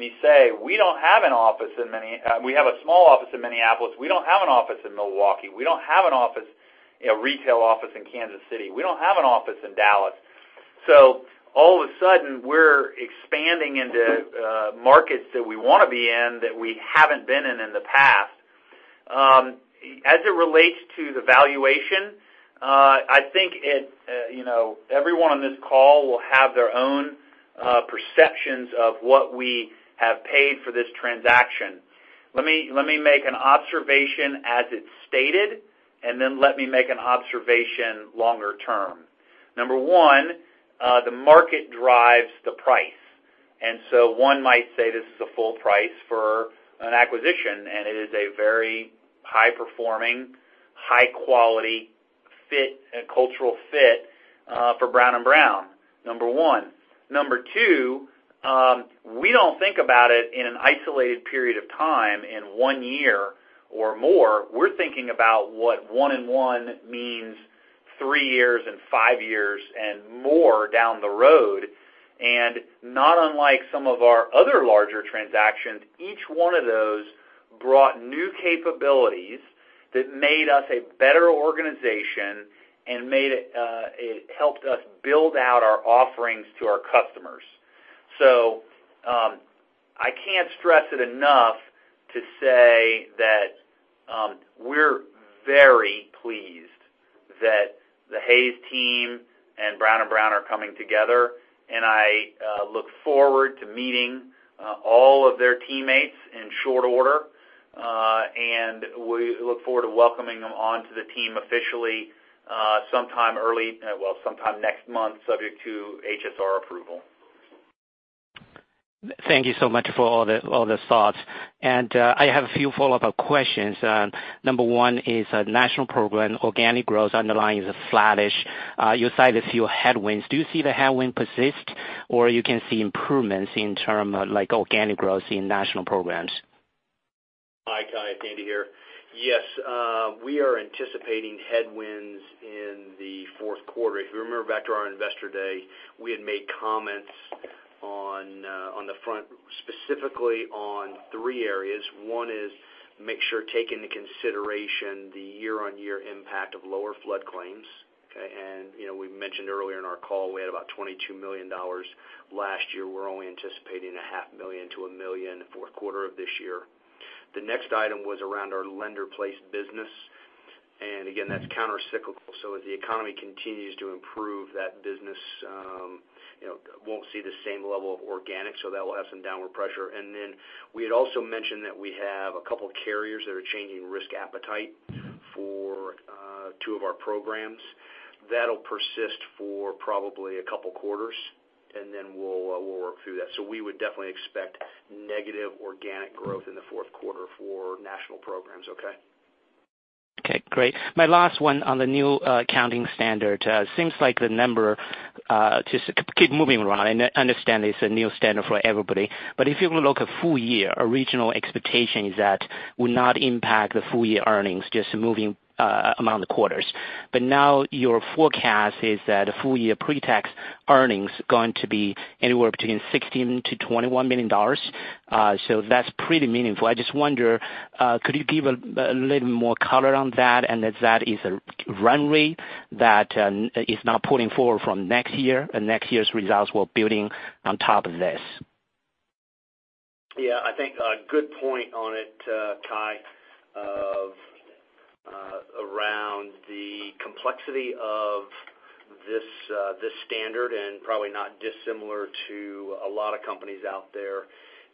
me say. We have a small office in Minneapolis. We don't have an office in Milwaukee. We don't have a retail office in Kansas City. We don't have an office in Dallas. All of a sudden, we're expanding into markets that we want to be in, that we haven't been in in the past. As it relates to the valuation, I think everyone on this call will have their own perceptions of what we have paid for this transaction. Let me make an observation as it's stated, then let me make an observation longer term. Number one, the market drives the price. So one might say this is a full price for an acquisition, and it is a very high performing, high quality cultural fit for Brown & Brown. Number one. Number two, we don't think about it in an isolated period of time in one year or more. We're thinking about what one and one means three years and five years and more down the road. Not unlike some of our other larger transactions, each one of those brought new capabilities that made us a better organization and it helped us build out our offerings to our customers. I can't stress it enough to say that we're very pleased that the Hays team and Brown & Brown are coming together, I look forward to meeting all of their teammates in short order. We look forward to welcoming them onto the team officially, sometime next month, subject to HSR approval. Thank you so much for all the thoughts. I have a few follow-up questions. Number one is National Program organic growth underlying is flattish. You cited a few headwinds. Do you see the headwind persist, or you can see improvements in term of organic growth in National Programs? Hi, Kai. It's Andy here. Yes. We are anticipating headwinds in the fourth quarter. If you remember back to our Investor Day, we had made comments on the front, specifically on three areas. One is make sure take into consideration the year-on-year impact of lower flood claims, okay? We mentioned earlier in our call, we had about $22 million last year. We're only anticipating a half million to a million fourth quarter of this year. The next item was around our lender-placed business. Again, that's countercyclical. As the economy continues to improve, that business won't see the same level of organic. That will have some downward pressure. Then we had also mentioned that we have a couple carriers that are changing risk appetite for two of our programs. That'll persist for probably a couple quarters, then we'll work through that. We would definitely expect negative organic growth in the fourth quarter for National Programs. Okay? Okay, great. My last one on the new accounting standard. Seems like the number just keep moving around. I understand it's a new standard for everybody, if you look at full year, original expectation is that will not impact the full year earnings, just moving among the quarters. Now your forecast is that a full year pre-tax earnings going to be anywhere between $16 million-$21 million. That's pretty meaningful. I just wonder, could you give a little more color on that? If that is a run rate that is now pulling forward from next year, and next year's results were building on top of this. Yeah, I think a good point on it, Kai, around the complexity of this standard, probably not dissimilar to a lot of companies out there,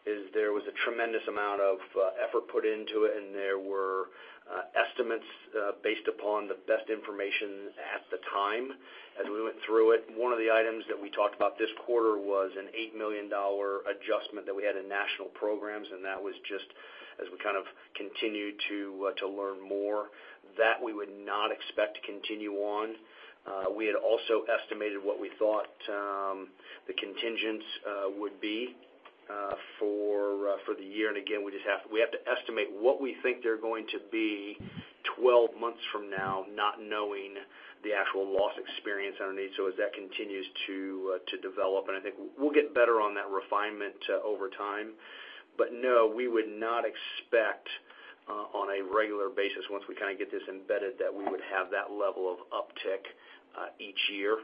is there was a tremendous amount of effort put into it, and there were estimates based upon the best information at the time as we went through it. One of the items that we talked about this quarter was an $8 million adjustment that we had in National Programs, that was just as we kind of continued to learn more. That we would not expect to continue on. We had also estimated what we thought the contingents would be For the year, again, we have to estimate what we think they're going to be 12 months from now, not knowing the actual loss experience underneath. As that continues to develop, and I think we'll get better on that refinement over time. No, we would not expect on a regular basis, once we kind of get this embedded, that we would have that level of uptick each year.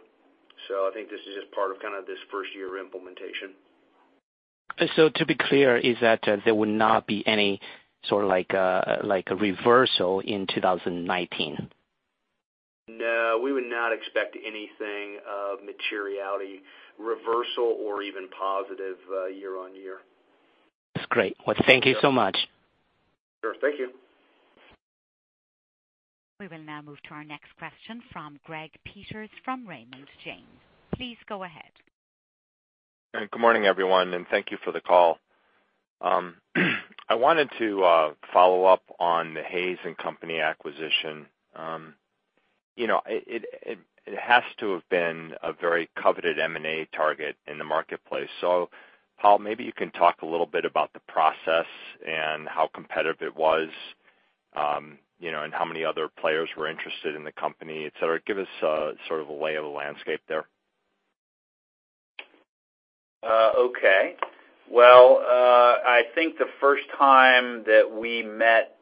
I think this is just part of this first year of implementation. To be clear, is that there would not be any sort of like a reversal in 2019? No, we would not expect anything of materiality, reversal, or even positive year-on-year. That's great. Well, thank you so much. Sure. Thank you. We will now move to our next question from Greg Peters from Raymond James. Please go ahead. Good morning, everyone, and thank you for the call. I wanted to follow up on the Hays Companies acquisition. It has to have been a very coveted M&A target in the marketplace. Powell, maybe you can talk a little bit about the process and how competitive it was, and how many other players were interested in the company, et cetera. Give us sort of a lay of the landscape there. Okay. I think the first time that we met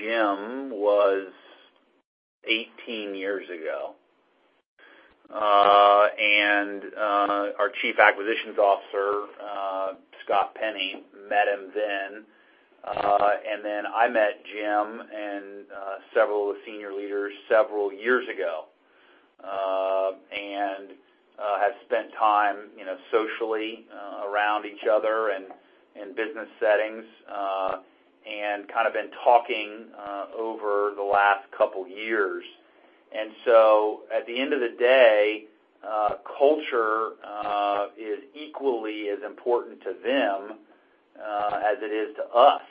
Jim was 18 years ago. Our Chief Acquisitions Officer, Scott Penny, met him then. I met Jim and several senior leaders several years ago, and have spent time socially around each other and in business settings, and kind of been talking over the last couple years. At the end of the day, culture is equally as important to them as it is to us.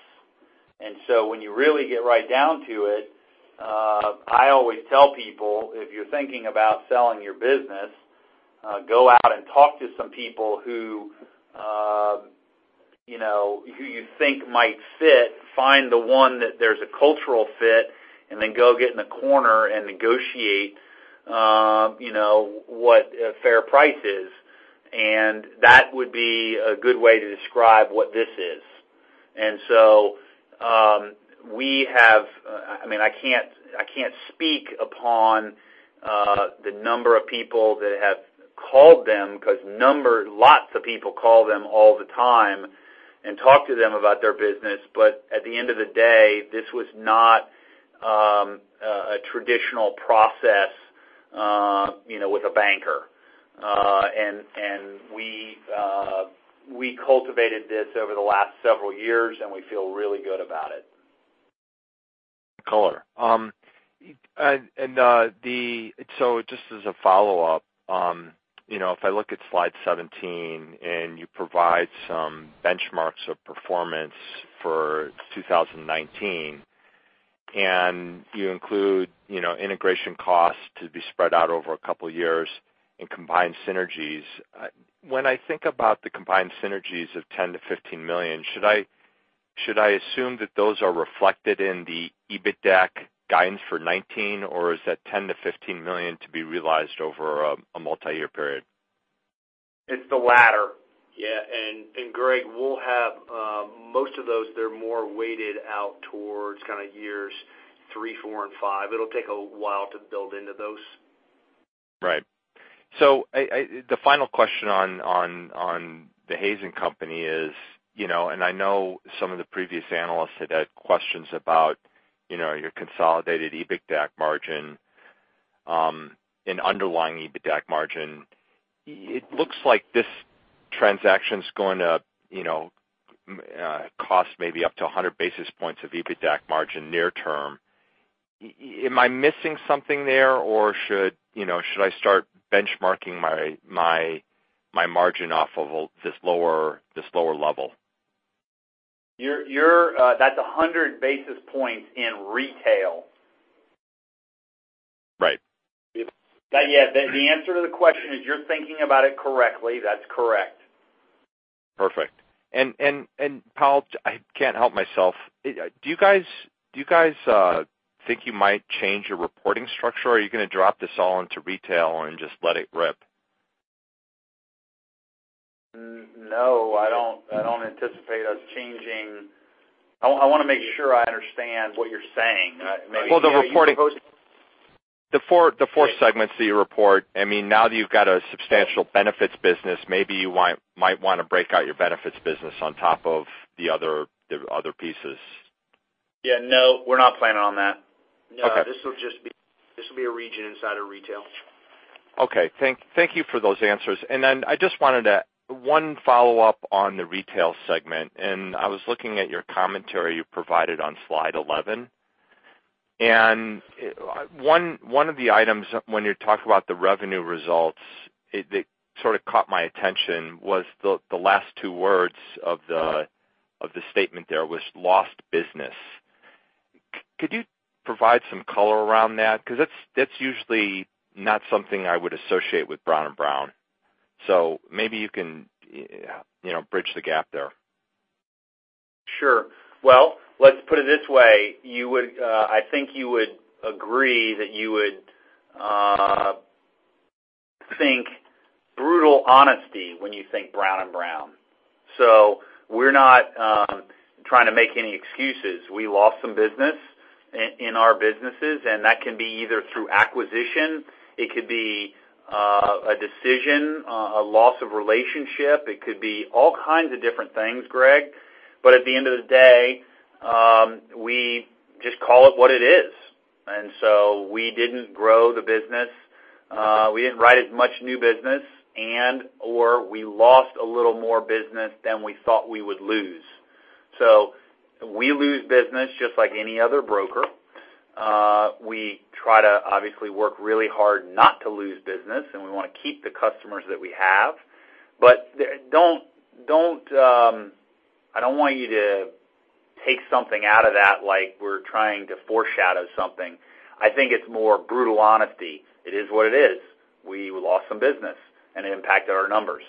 When you really get right down to it, I always tell people, if you're thinking about selling your business, go out and talk to some people who you think might fit, find the one that there's a cultural fit, and then go get in the corner and negotiate what a fair price is. That would be a good way to describe what this is. I can't speak upon the number of people that have called them, because lots of people call them all the time and talk to them about their business. At the end of the day, this was not a traditional process with a banker. We cultivated this over the last several years, and we feel really good about it. Cooler. Just as a follow-up, if I look at slide 17, and you provide some benchmarks of performance for 2019, and you include integration costs to be spread out over a couple of years in combined synergies. When I think about the combined synergies of $10 million-$15 million, should I assume that those are reflected in the EBITDAC guidance for 2019, or is that $10 million-$15 million to be realized over a multi-year period? It's the latter. Yeah. Greg, most of those, they're more weighted out towards kind of years three, four, and five. It'll take a while to build into those. Right. The final question on the Hays Companies is, I know some of the previous analysts had questions about your consolidated EBITDAC margin, and underlying EBITDAC margin. It looks like this transaction's going to cost maybe up to 100 basis points of EBITDAC margin near term. Am I missing something there, or should I start benchmarking my margin off of this lower level? That's 100 basis points in Retail. Right. Yeah. The answer to the question is you're thinking about it correctly. That's correct. Perfect. Powell, I can't help myself. Do you guys think you might change your reporting structure, or are you going to drop this all into Retail and just let it rip? No, I don't anticipate us changing. I want to make sure I understand what you're saying. Well, the four segments that you report, now that you've got a substantial benefits business, maybe you might want to break out your benefits business on top of the other pieces. Yeah, no, we're not planning on that. Okay. No, this will be a region inside of Retail. Okay. Thank you for those answers. Then I just wanted one follow-up on the Retail segment, and I was looking at your commentary you provided on slide 11. One of the items when you talked about the revenue results, it sort of caught my attention, was the last two words of the statement there was lost business. Could you provide some color around that? Because that's usually not something I would associate with Brown & Brown. Maybe you can bridge the gap there. Sure. Well, let's put it this way. I think you would agree that you would think brutal honesty when you think Brown & Brown. We're not trying to make any excuses. We lost some business in our businesses, and that can be either through acquisition, it could be a decision, a loss of relationship. It could be all kinds of different things, Greg. At the end of the day, we just call it what it is. We didn't grow the business. We didn't write as much new business and/or we lost a little more business than we thought we would lose. We lose business just like any other broker. We try to obviously work really hard not to lose business, and we want to keep the customers that we have. I don't want you to take something out of that, like we're trying to foreshadow something. I think it's more brutal honesty. It is what it is. We lost some business and it impacted our numbers.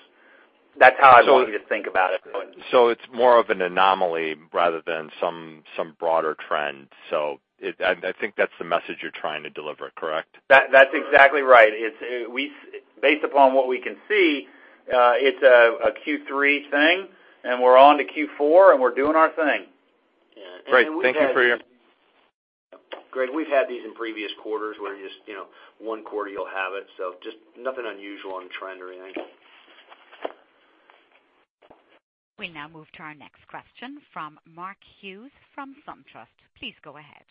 That's how I want you to think about it. It's more of an anomaly rather than some broader trend. I think that's the message you're trying to deliver, correct? That's exactly right. Based upon what we can see, it's a Q3 thing, and we're on to Q4, and we're doing our thing. Great. Thank you for your- Greg, we've had these in previous quarters where just one quarter you'll have it. Just nothing unusual on trend or anything. We now move to our next question from Mark Hughes from SunTrust. Please go ahead.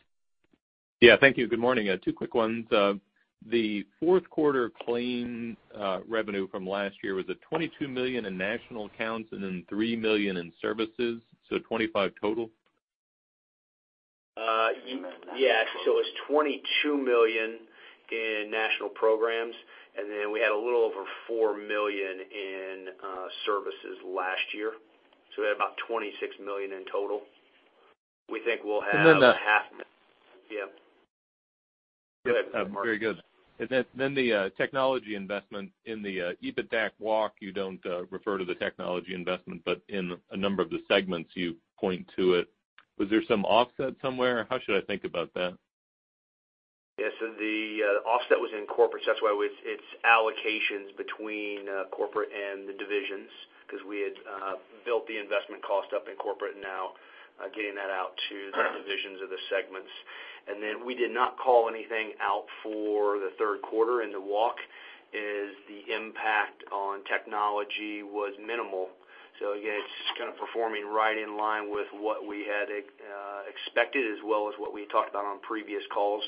Yeah, thank you. Good morning. Two quick ones. The fourth quarter claims revenue from last year was at $22 million in national accounts and then $3 million in Services, $25. Yeah. It's $22 million in National Programs, we had a little over $4 million in Services last year. We had about $26 million in total. We think we'll have about yeah. Go ahead, Mark. Very good. The technology investment in the EBITDA walk, you don't refer to the technology investment, but in a number of the segments, you point to it. Was there some offset somewhere? How should I think about that? Yeah. The offset was in corporate. That's why it's allocations between corporate and the divisions, because we had built the investment cost up in corporate now, getting that out to the divisions of the segments. We did not call anything out for the third quarter, and the walk is the impact on technology was minimal. Again, it's just kind of performing right in line with what we had expected, as well as what we talked about on previous calls.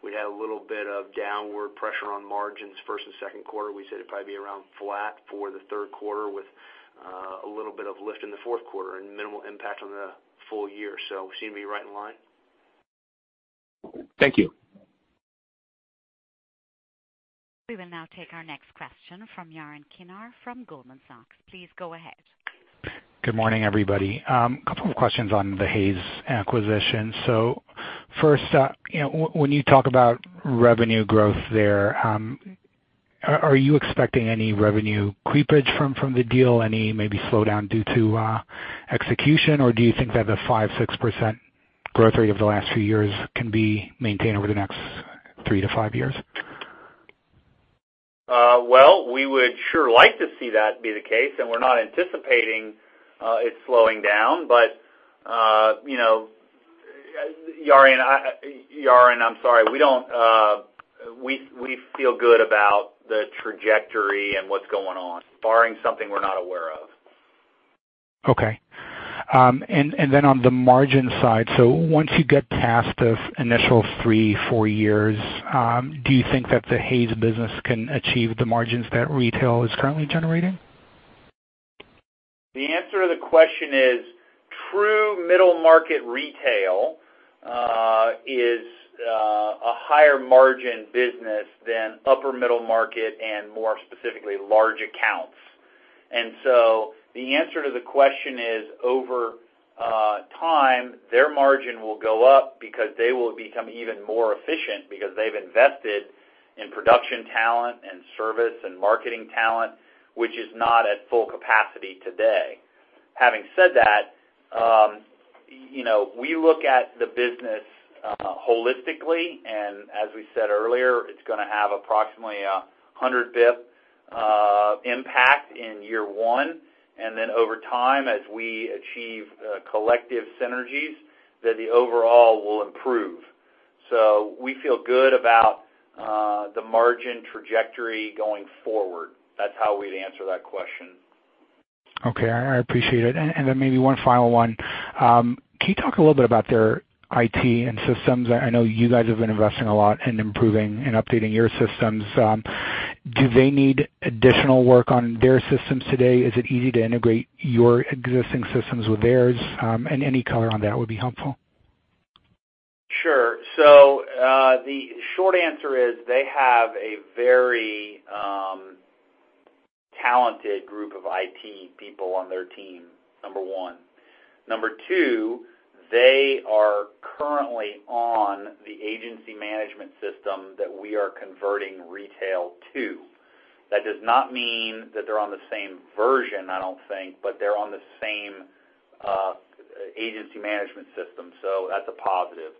We'd had a little bit of downward pressure on margins first and second quarter. We said it'd probably be around flat for the third quarter with a little bit of lift in the fourth quarter and minimal impact on the full year. We seem to be right in line. Thank you. We will now take our next question from Yaron Kinar from Goldman Sachs. Please go ahead. Good morning, everybody. Couple of questions on the Hays acquisition. First, when you talk about revenue growth there, are you expecting any revenue creepage from the deal? Any maybe slowdown due to execution, or do you think that the 5%, 6% growth rate of the last few years can be maintained over the next three to five years? Well, we would sure like to see that be the case. We're not anticipating it slowing down. Yaron, I'm sorry. We feel good about the trajectory and what's going on, barring something we're not aware of. Okay. Then on the margin side, once you get past the initial three, four years, do you think that the Hays business can achieve the margins that retail is currently generating? The answer to the question is, true middle market retail is a higher margin business than upper middle market and more specifically, large accounts. The answer to the question is, over time, their margin will go up because they will become even more efficient because they've invested in production talent and service and marketing talent, which is not at full capacity today. Having said that, we look at the business holistically. As we said earlier, it's going to have approximately 100 basis point impact in year one. Then over time, as we achieve collective synergies, that the overall will improve. We feel good about the margin trajectory going forward. That's how we'd answer that question. Okay. I appreciate it. Then maybe one final one. Can you talk a little bit about their IT and systems? I know you guys have been investing a lot in improving and updating your systems. Do they need additional work on their systems today? Is it easy to integrate your existing systems with theirs? Any color on that would be helpful. Sure. The short answer is they have a very talented group of IT people on their team, number one. Number two, they are currently on the agency management system that we are converting retail to. That does not mean that they're on the same version, I don't think, but they're on the same agency management system, that's a positive.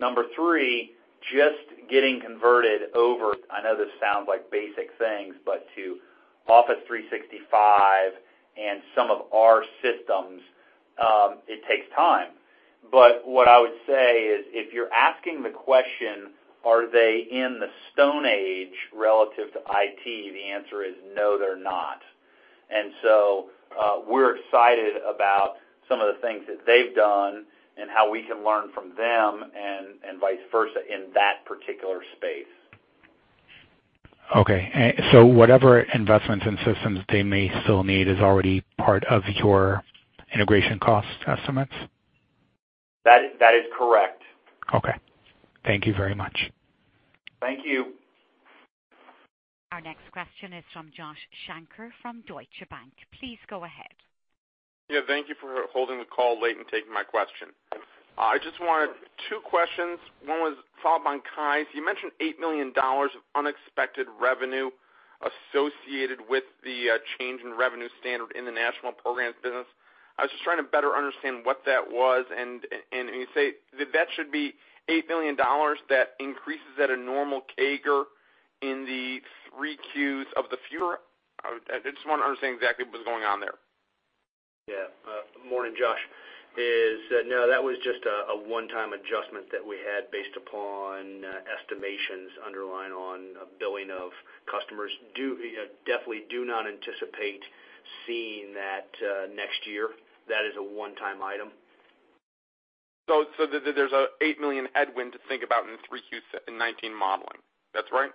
Number three, just getting converted over, I know this sounds like basic things, but to Office 365 and some of our systems, it takes time. What I would say is if you're asking the question, are they in the Stone Age relative to IT? The answer is no, they're not. We're excited about some of the things that they've done and how we can learn from them, and vice versa in that particular space. Okay. Whatever investments in systems they may still need is already part of your integration cost estimates? That is correct. Okay. Thank you very much. Thank you. Our next question is from Josh Shanker from Deutsche Bank. Please go ahead. Yeah. Thank you for holding the call late and taking my question. Two questions. One was follow-up on Kai's. You mentioned $8 million of unexpected revenue associated with the change in revenue standard in the National Programs business. I was just trying to better understand what that was, and you say that that should be $8 million that increases at a normal CAGR in the three Qs of the future. I just want to understand exactly what's going on there. Yeah. Morning, Josh. No, that was just a one-time adjustment that we had based upon estimations underlying on a billing of customers. Definitely do not anticipate seeing that next year. That is a one-time item. There's an $8 million headwind to think about in 3Q19 modeling. That's right?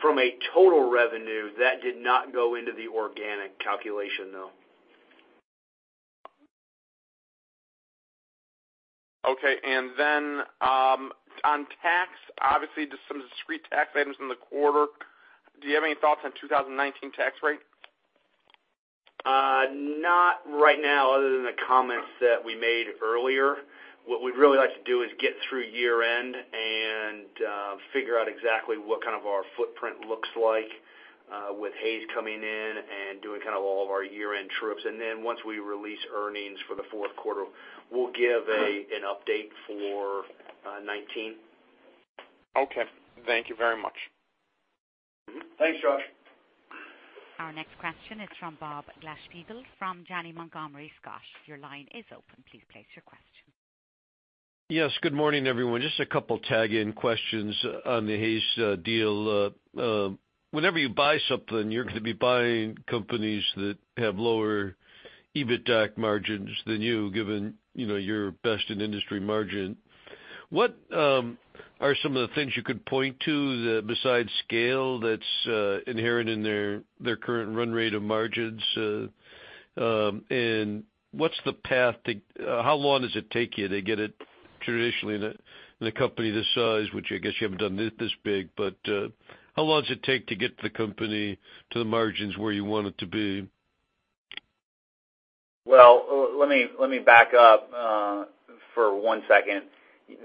From a total revenue, that did not go into the organic calculation, though. Okay. On tax, obviously just some discrete tax items in the quarter. Do you have any thoughts on 2019 tax rate? Not right now, other than the comments that we made earlier. What we'd really like to do is get through year-end and figure out exactly what kind of our footprint looks like with Hays coming in and doing kind of all of our year-end trips. Then once we release earnings for the fourth quarter, we'll give an update for 2019. Okay. Thank you very much. Thanks, Josh. Our next question is from Bob Glasspiegel from Janney Montgomery Scott. Your line is open. Please place your question. Yes. Good morning, everyone. Just a couple tag-in questions on the Hays deal. Whenever you buy something, you're going to be buying companies that have lower EBITDA margins than you, given your best in industry margin. How long does it take you to get it traditionally in a company this size, which I guess you haven't done this big, but how long does it take to get the company to the margins where you want it to be? Well, let me back up for one second.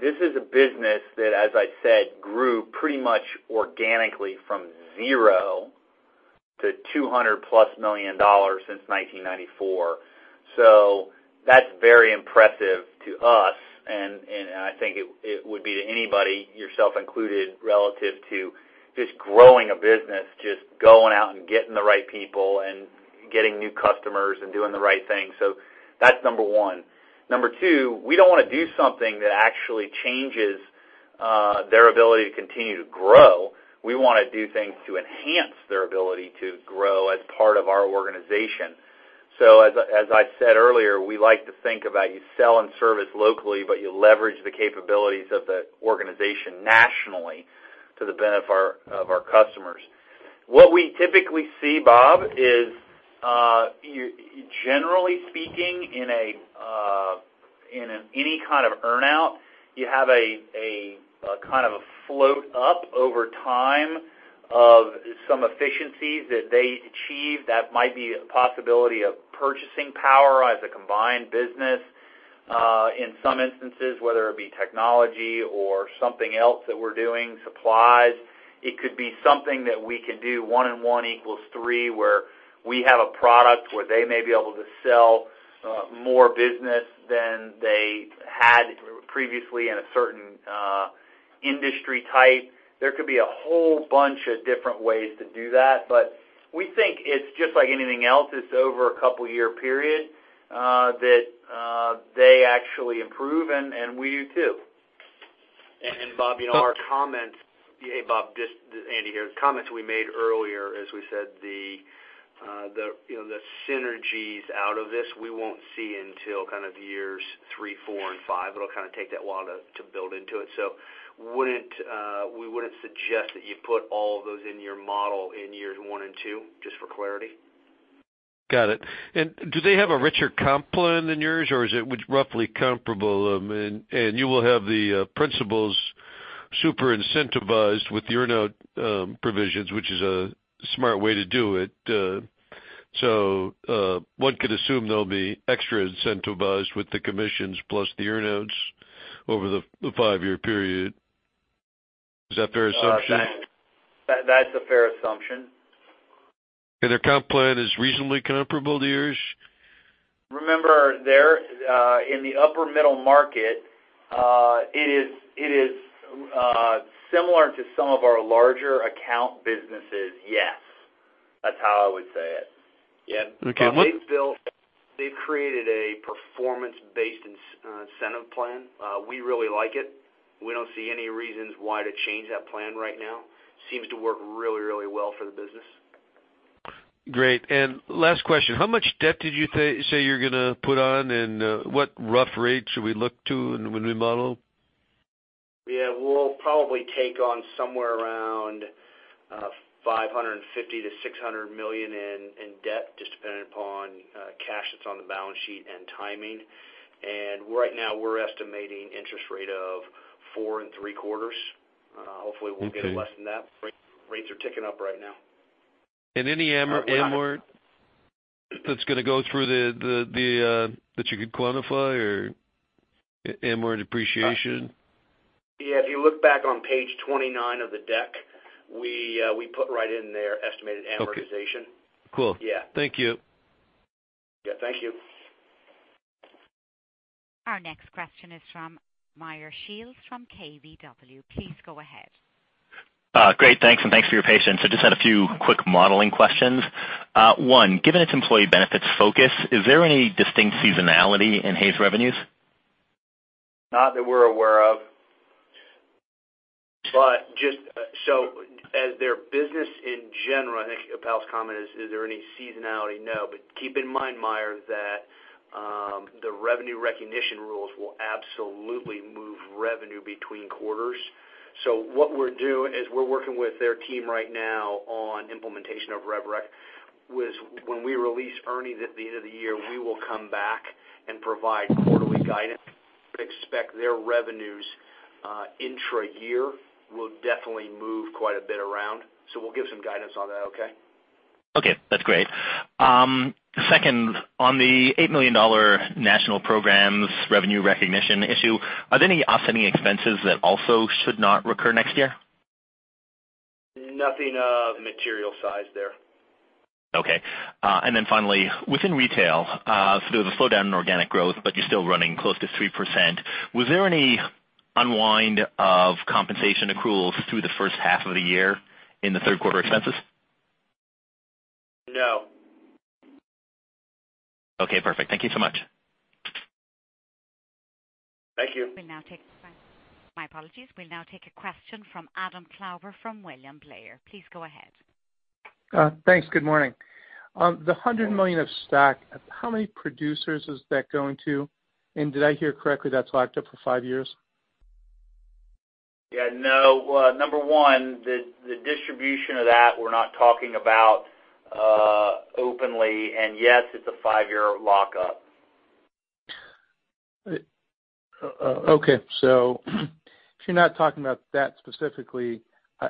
This is a business that, as I said, grew pretty much organically from $0-$200+ million since 1994. That's very impressive to us, and I think it would be to anybody, yourself included, relative to just growing a business, just going out and getting the right people and getting new customers and doing the right thing. That's number one. Number two, we don't want to do something that actually changes their ability to continue to grow. We want to do things to enhance their ability to grow as part of our organization. As I said earlier, we like to think about you sell and service locally, you leverage the capabilities of the organization nationally to the benefit of our customers. What we typically see, Bob, is, generally speaking, in any kind of earn-out, you have a kind of a float up over time of some efficiencies that they achieve. That might be a possibility of purchasing power as a combined business. In some instances, whether it be technology or something else that we're doing, supplies. It could be something that we can do one and one equals three, where we have a product where they may be able to sell more business than they had previously in a certain industry type. There could be a whole bunch of different ways to do that, we think it's just like anything else. It's over a couple year period, that they actually improve and we do, too. Hey, Bob, this is Andy here. The comments we made earlier, as we said, the synergies out of this, we won't see until kind of years three, four, and five. It'll kind of take that while to build into it. We wouldn't suggest that you put all of those in your model in years one and two, just for clarity. Got it. Do they have a richer comp plan than yours, or is it roughly comparable? You will have the principals super incentivized with earn-out provisions, which is a smart way to do it. One could assume they'll be extra incentivized with the commissions plus the earn-outs over the five-year period. Is that a fair assumption? That's a fair assumption. Their comp plan is reasonably comparable to yours? Remember, they're in the upper middle market. It is similar to some of our larger account businesses, yes. That's how I would say it. Yeah. Okay. They've created a performance-based incentive plan. We really like it. We don't see any reasons why to change that plan right now. Seems to work really well for the business. Great. Last question, how much debt did you say you're going to put on, and what rough rate should we look to when we model? Yeah. We'll probably take on somewhere around $550 million-$600 million in debt, just depending upon cash that's on the balance sheet and timing. Right now we're estimating interest rate of 4.75%. Hopefully we'll get it less than that. Okay. Rates are ticking up right now. Any amort that's going to go through that you could quantify, or amort depreciation? Yeah, if you look back on page 29 of the deck, we put right in there estimated amortization. Okay, cool. Yeah. Thank you. Yeah. Thank you. Our next question is from Meyer Shields from KBW. Please go ahead. Great. Thanks. Thanks for your patience. I just had a few quick modeling questions. One, given its employee benefits focus, is there any distinct seasonality in Hays revenues? Not that we're aware of. As their business in general, I think Powell's comment is there any seasonality? No. Keep in mind, Meyer, that the revenue recognition rules will absolutely move revenue between quarters. What we're doing is we're working with their team right now on implementation of rev rec. When we release earnings at the end of the year, we will come back and provide quarterly guidance. Expect their revenues intra year will definitely move quite a bit around. We'll give some guidance on that, okay? Okay. That's great. Second, on the $8 million National Programs revenue recognition issue, are there any offsetting expenses that also should not recur next year? Nothing of material size there. Okay. Finally, within Retail, so there was a slowdown in organic growth, but you're still running close to 3%. Was there any unwind of compensation accruals through the first half of the year in the third quarter expenses? No. Okay, perfect. Thank you so much. Thank you. We'll now take a question from Adam Klauber from William Blair. Please go ahead. Thanks. Good morning. The $100 million of stock, how many producers is that going to? Did I hear correctly that's locked up for five years? no. Number one, the distribution of that we're not talking about openly. Yes, it's a five-year lockup. Okay. If you're not talking about that specifically,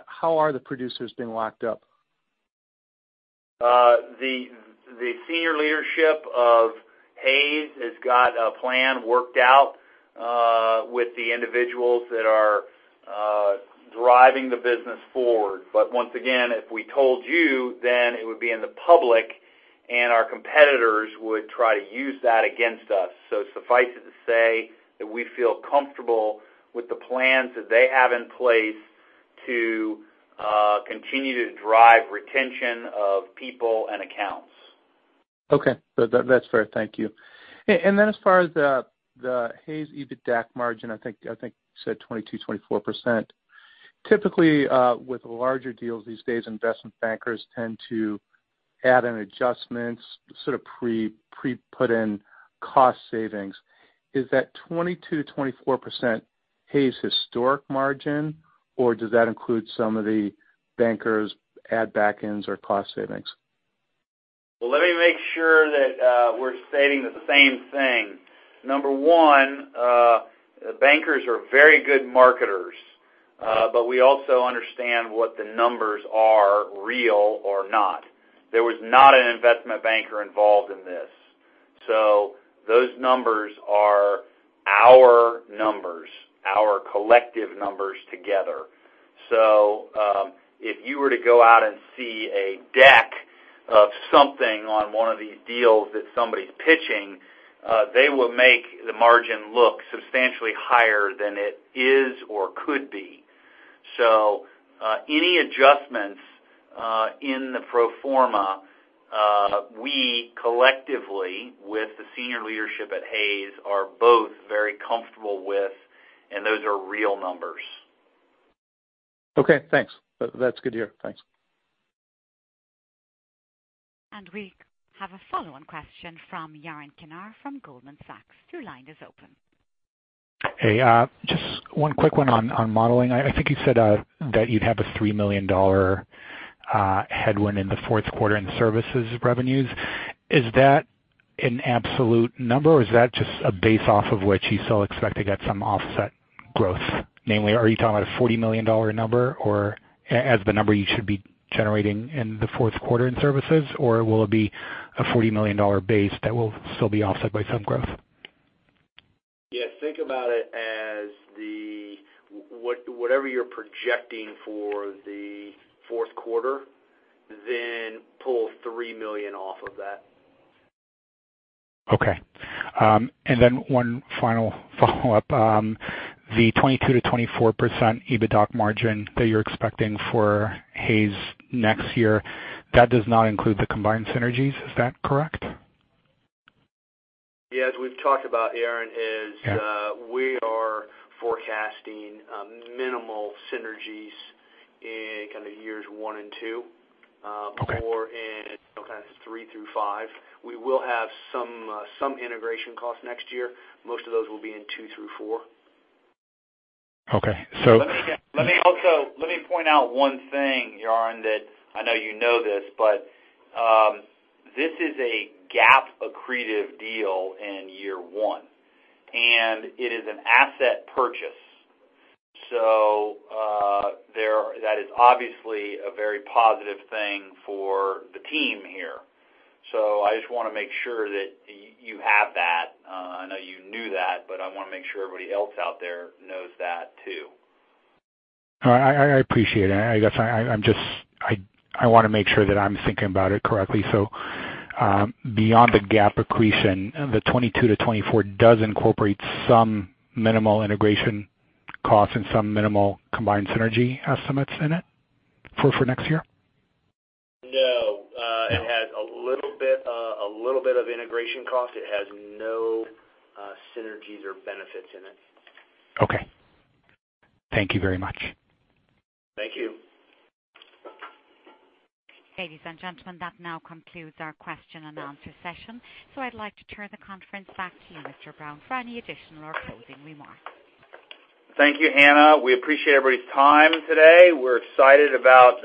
how are the producers being locked up? The senior leadership of Hays has got a plan worked out with the individuals that are driving the business forward. Once again, if we told you, then it would be in the public and our competitors would try to use that against us. Suffice it to say that we feel comfortable with the plans that they have in place to continue to drive retention of people and accounts. Okay. That's fair. Thank you. Then as far as the Hays EBITDA margin, I think you said 22%, 24%. Typically, with larger deals these days, investment bankers tend to add in adjustments, sort of pre-put in cost savings. Is that 22%, 24% Hays historic margin, or does that include some of the bankers' add back ends or cost savings? Well, let me make sure that we're stating the same thing. Number one, bankers are very good marketers. We also understand what the numbers are real or not. There was not an investment banker involved in this. Those numbers are our numbers, our collective numbers together. If you were to go out and see a deck of something on one of these deals that somebody's pitching, they will make the margin look substantially higher than it is or could be. Any adjustments in the pro forma, we collectively, with the senior leadership at Hays, are both very comfortable with, and those are real numbers. Okay, thanks. That's good to hear. Thanks. We have a follow-on question from Yaron Kinar from Goldman Sachs. Your line is open. Hey, just one quick one on modeling. I think you said that you'd have a $3 million headwind in the fourth quarter in Services revenues. Is that an absolute number, or is that just a base off of which you still expect to get some offset growth? Namely, are you talking about a $40 million number, or as the number you should be generating in the fourth quarter in Services, or will it be a $40 million base that will still be offset by some growth? Yes, think about it as whatever you're projecting for the fourth quarter, then pull $3 million off of that. Okay. One final follow-up. The 22%-24% EBITDA margin that you're expecting for Hays next year, that does not include the combined synergies, is that correct? Yes. We've talked about, Yaron. Yeah we are forecasting minimal synergies in kind of years one and two. Okay. More in kind of three through five. We will have some integration costs next year. Most of those will be in two through four. Okay. Let me also point out one thing, Yaron, that I know you know this, but this is a GAAP accretive deal in year one, and it is an asset purchase. That is obviously a very positive thing for the team here. I just want to make sure that you have that. I know you knew that, but I want to make sure everybody else out there knows that too. No, I appreciate it. I guess I want to make sure that I'm thinking about it correctly. Beyond the GAAP accretion, the 22%-24% does incorporate some minimal integration costs and some minimal combined synergy estimates in it for next year? No. No. It has a little bit of integration cost. It has no synergies or benefits in it. Okay. Thank you very much. Thank you. Ladies and gentlemen, that now concludes our question and answer session. I'd like to turn the conference back to you, Mr. Brown, for any additional or closing remarks. Thank you, Hannah. We appreciate everybody's time today. We're excited about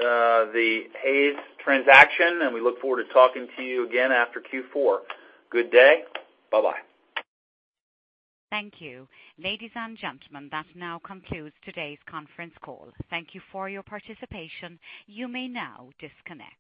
the Hays transaction, and we look forward to talking to you again after Q4. Good day. Bye-bye. Thank you. Ladies and gentlemen, that now concludes today's conference call. Thank you for your participation. You may now disconnect.